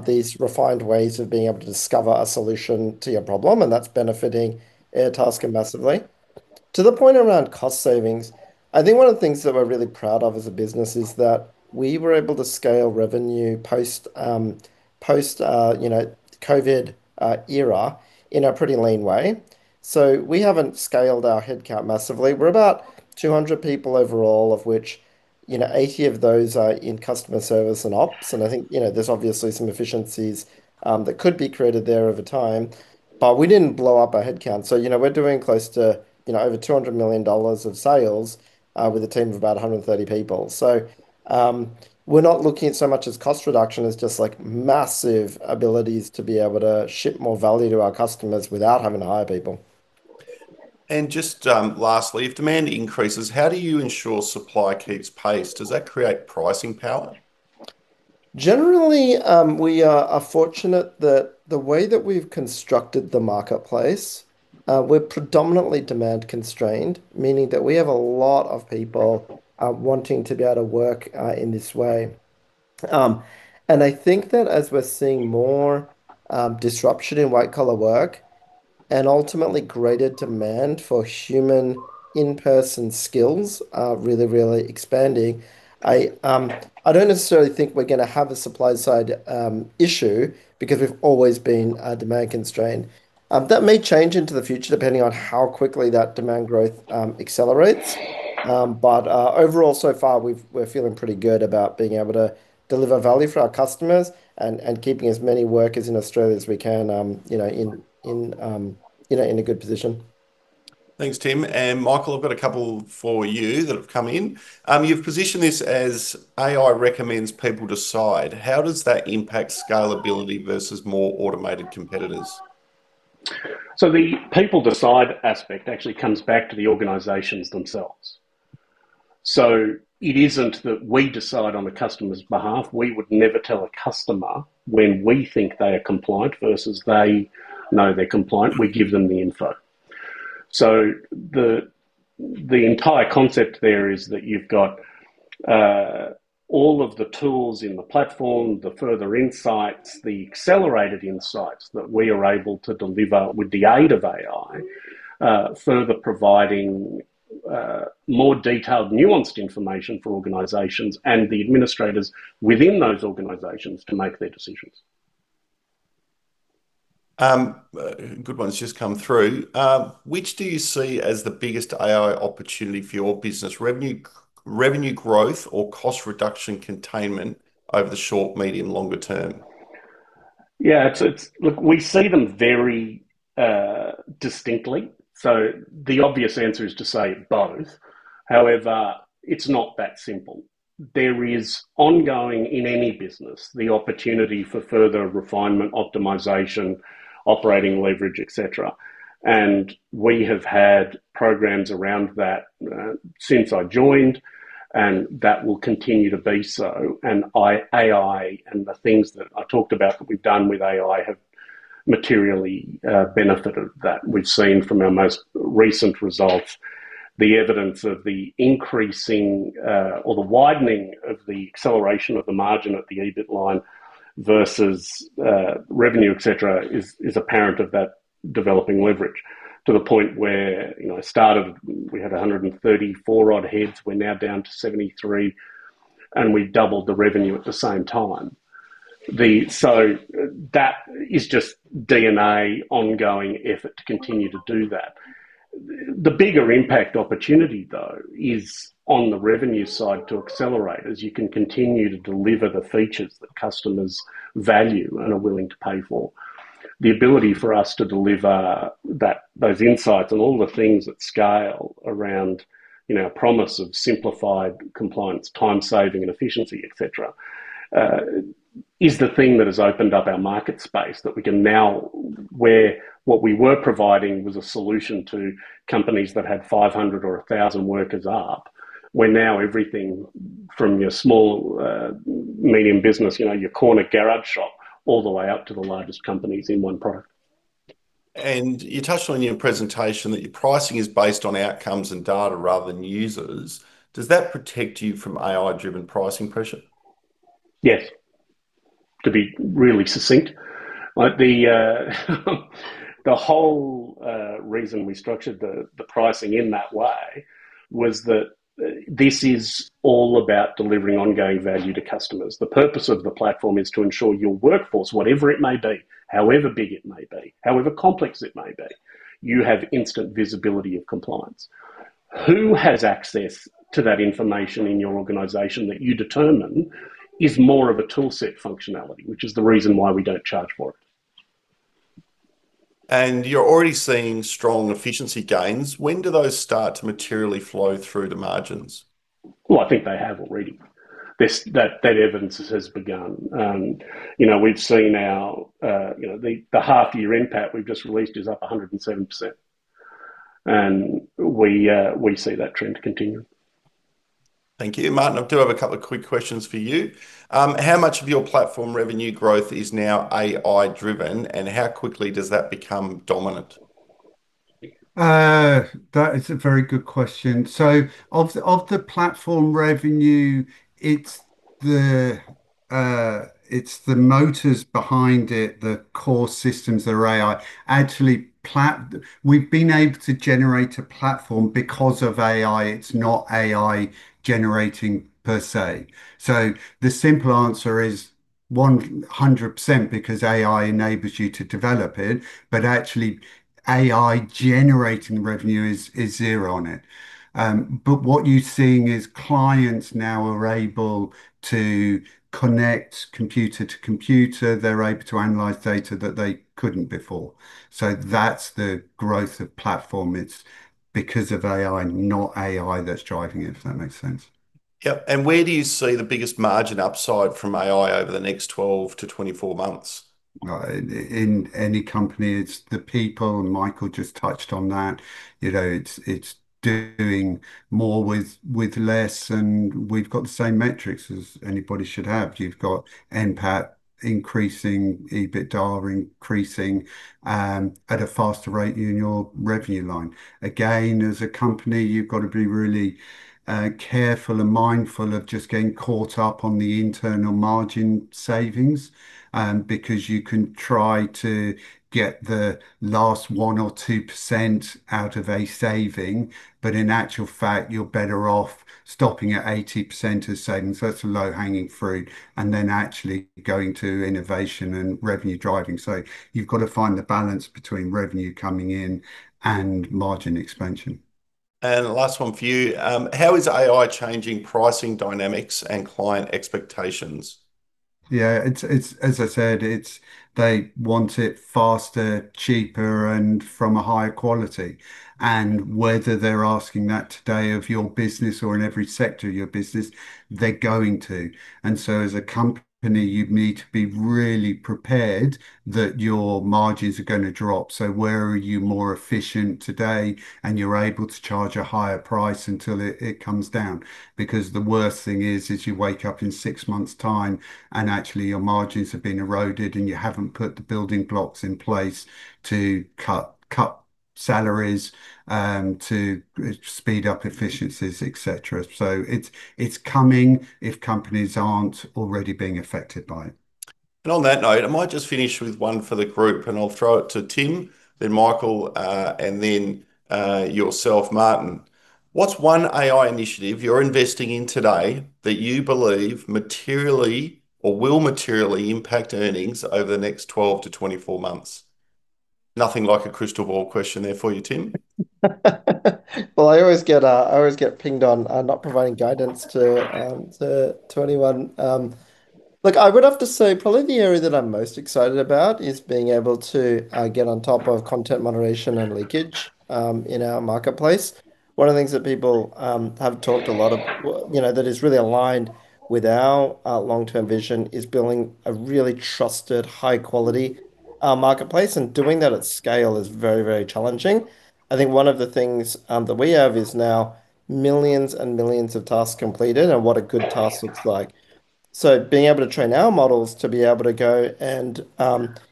these refined ways of being able to discover a solution to your problem, and that's benefiting Airtasker massively. To the point around cost savings, I think one of the things that we're really proud of as a business is that we were able to scale revenue post you know COVID era in a pretty lean way. We haven't scaled our headcount massively. We're about 200 people overall, of which, you know, 80 of those are in customer service and ops. I think, you know, there's obviously some efficiencies that could be created there over time. We didn't blow up our headcount. You know, we're doing close to, you know, over 200 million dollars of sales with a team of about 130 people. We're not looking at so much as cost reduction as just, like, massive abilities to be able to ship more value to our customers without having to hire people. Just lastly, if demand increases, how do you ensure supply keeps pace? Does that create pricing power? Generally, we are fortunate that the way that we've constructed the marketplace, we're predominantly demand constrained, meaning that we have a lot of people wanting to be able to work in this way. I think that as we're seeing more disruption in white-collar work and ultimately greater demand for human in-person skills, really expanding, I don't necessarily think we're gonna have a supply-side issue because we've always been a demand constraint. That may change into the future depending on how quickly that demand growth accelerates. Overall so far we're feeling pretty good about being able to deliver value for our customers and keeping as many workers in Australia as we can, you know, in a good position. Thanks, Tim. Michael, I've got a couple for you that have come in. You've positioned this as AI recommends, people decide. How does that impact scalability versus more automated competitors? The people decide aspect actually comes back to the organizations themselves. It isn't that we decide on a customer's behalf. We would never tell a customer when we think they are compliant versus they know they're compliant. We give them the info. The entire concept there is that you've got all of the tools in the platform, the further insights, the accelerated insights that we are able to deliver with the aid of AI, further providing more detailed, nuanced information for organizations and the administrators within those organizations to make their decisions. A good one's just come through. Which do you see as the biggest AI opportunity for your business? Revenue, revenue growth or cost reduction containment over the short, medium, longer term? Yeah. Look, we see them very distinctly. The obvious answer is to say both. However, it's not that simple. There is ongoing, in any business, the opportunity for further refinement, optimization, operating leverage, et cetera. We have had programs around that since I joined, and that will continue to be so. AI and the things that I talked about that we've done with AI have materially benefited that. We've seen from our most recent results the evidence of the increasing or the widening of the acceleration of the margin at the EBIT line versus revenue, et cetera, is apparent of that developing leverage to the point where, you know, at the start we had 134 odd heads, we're now down to 73, and we've doubled the revenue at the same time. That is just DNA ongoing effort to continue to do that. The bigger impact opportunity, though, is on the revenue side to accelerate as you can continue to deliver the features that customers value and are willing to pay for. The ability for us to deliver that, those insights and all the things at scale around, you know, a promise of simplified compliance, time saving and efficiency, et cetera, is the thing that has opened up our market space that we can now, where what we were providing was a solution to companies that had 500 or 1,000 workers up. We're now everything from your small, medium business, you know, your corner garage shop, all the way up to the largest companies in one product. You touched on it in your presentation that your pricing is based on outcomes and data rather than users. Does that protect you from AI-driven pricing pressure? Yes. To be really succinct, like the whole reason we structured the pricing in that way was that this is all about delivering ongoing value to customers. The purpose of the platform is to ensure your workforce, whatever it may be, however big it may be, however complex it may be, you have instant visibility of compliance. Who has access to that information in your organization that you determine is more of a tool set functionality, which is the reason why we don't charge for it. You're already seeing strong efficiency gains. When do those start to materially flow through the margins? Well, I think they have already. That evidence has begun. You know, we've seen, you know, the half-year NPAT we've just released is up 107%. We see that trend continuing. Thank you. Martin, I do have a couple of quick questions for you. How much of your platform revenue growth is now AI-driven, and how quickly does that become dominant? That is a very good question. Of the platform revenue, it's the motors behind it, the core systems that are AI. We've been able to generate a platform because of AI. It's not AI generating per se. The simple answer is 100% because AI enables you to develop it, but actually AI generating revenue is zero on it. What you're seeing is clients now are able to connect computer to computer. They're able to analyze data that they couldn't before. That's the growth of platform. It's because of AI, not AI that's driving it, if that makes sense. Yeah. Where do you see the biggest margin upside from AI over the next 12-24 months? Well, in any company, it's the people, and Michael just touched on that. You know, it's doing more with less, and we've got the same metrics as anybody should have. You've got NPAT increasing, EBITDA increasing at a faster rate than your revenue line. Again, as a company, you've got to be really careful and mindful of just getting caught up on the internal margin savings, because you can try to get the last 1% or 2% out of a saving, but in actual fact, you're better off stopping at 80% of savings, that's the low-hanging fruit, and then actually going to innovation and revenue-driving. You've got to find the balance between revenue coming in and margin expansion. Last one for you. How is AI changing pricing dynamics and client expectations? Yeah. It's, as I said, they want it faster, cheaper, and from a higher quality. Whether they're asking that today of your business or in every sector of your business, they're going to. As a company, you need to be really prepared that your margins are gonna drop. Where are you more efficient today and you're able to charge a higher price until it comes down? Because the worst thing is you wake up in six months' time and actually your margins have been eroded, and you haven't put the building blocks in place to cut salaries, to speed up efficiencies, et cetera. It's coming, if companies aren't already being affected by it. On that note, I might just finish with one for the group, and I'll throw it to Tim, then Michael, and then yourself, Martin. What's one AI initiative you're investing in today that you believe materially or will materially impact earnings over the next 12-24 months? Nothing like a crystal ball question there for you, Tim. Well, I always get pinged on not providing guidance to anyone. Look, I would have to say probably the area that I'm most excited about is being able to get on top of content moderation and leakage in our marketplace. One of the things that people have talked a lot of, you know, that is really aligned with our long-term vision is building a really trusted, high-quality marketplace, and doing that at scale is very, very challenging. I think one of the things that we have is now millions and millions of tasks completed and what a good task looks like. Being able to train our models to be able to go and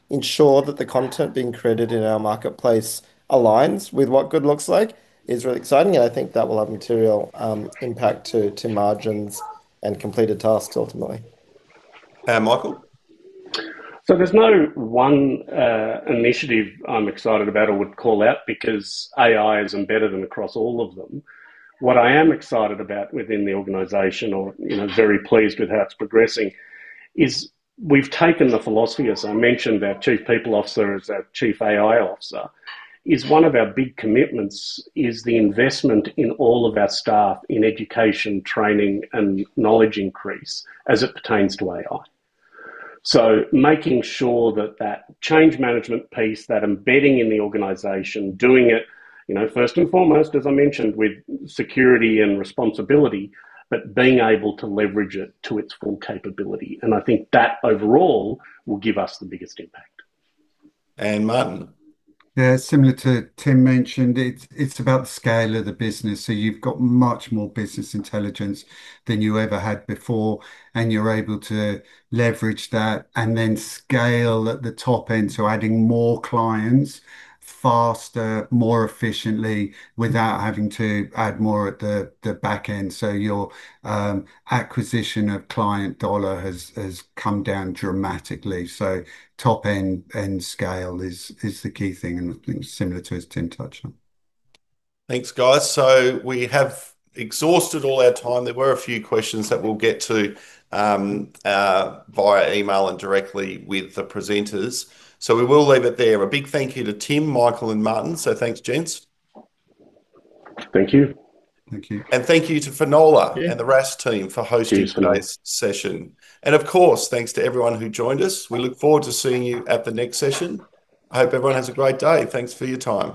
ensure that the content being created in our marketplace aligns with what good looks like is really exciting, and I think that will have material impact to margins and completed tasks ultimately. Michael? There's no one initiative I'm excited about or would call out because AI is embedded across all of them. What I am excited about within the organization or very pleased with how it's progressing is we've taken the philosophy, as I mentioned, our Chief People Officer is our Chief AI Officer. It is one of our big commitments: the investment in all of our staff in education, training, and knowledge increase as it pertains to AI. Making sure that change management piece, that embedding in the organization, doing it first and foremost, as I mentioned, with security and responsibility, but being able to leverage it to its full capability, and I think that overall will give us the biggest impact. Martin? Yeah. Similar to what Tim mentioned, it's about the scale of the business. You've got much more business intelligence than you ever had before, and you're able to leverage that and then scale at the top end, adding more clients faster, more efficiently without having to add more at the back end. Your client acquisition cost has come down dramatically. Top-end scale is the key thing, and similar, as Tim touched on. Thanks, guys. We have exhausted all our time. There were a few questions that we'll get to via email and directly with the presenters. We will leave it there. A big thank you to Tim, Michael, and Martin, thanks gents. Thank you. Thank you. Thank you to Finola. Yeah And the RaaS team for hosting Cheers, Finola. Tonight's session. Of course, thanks to everyone who joined us. We look forward to seeing you at the next session. I hope everyone has a great day. Thanks for your time.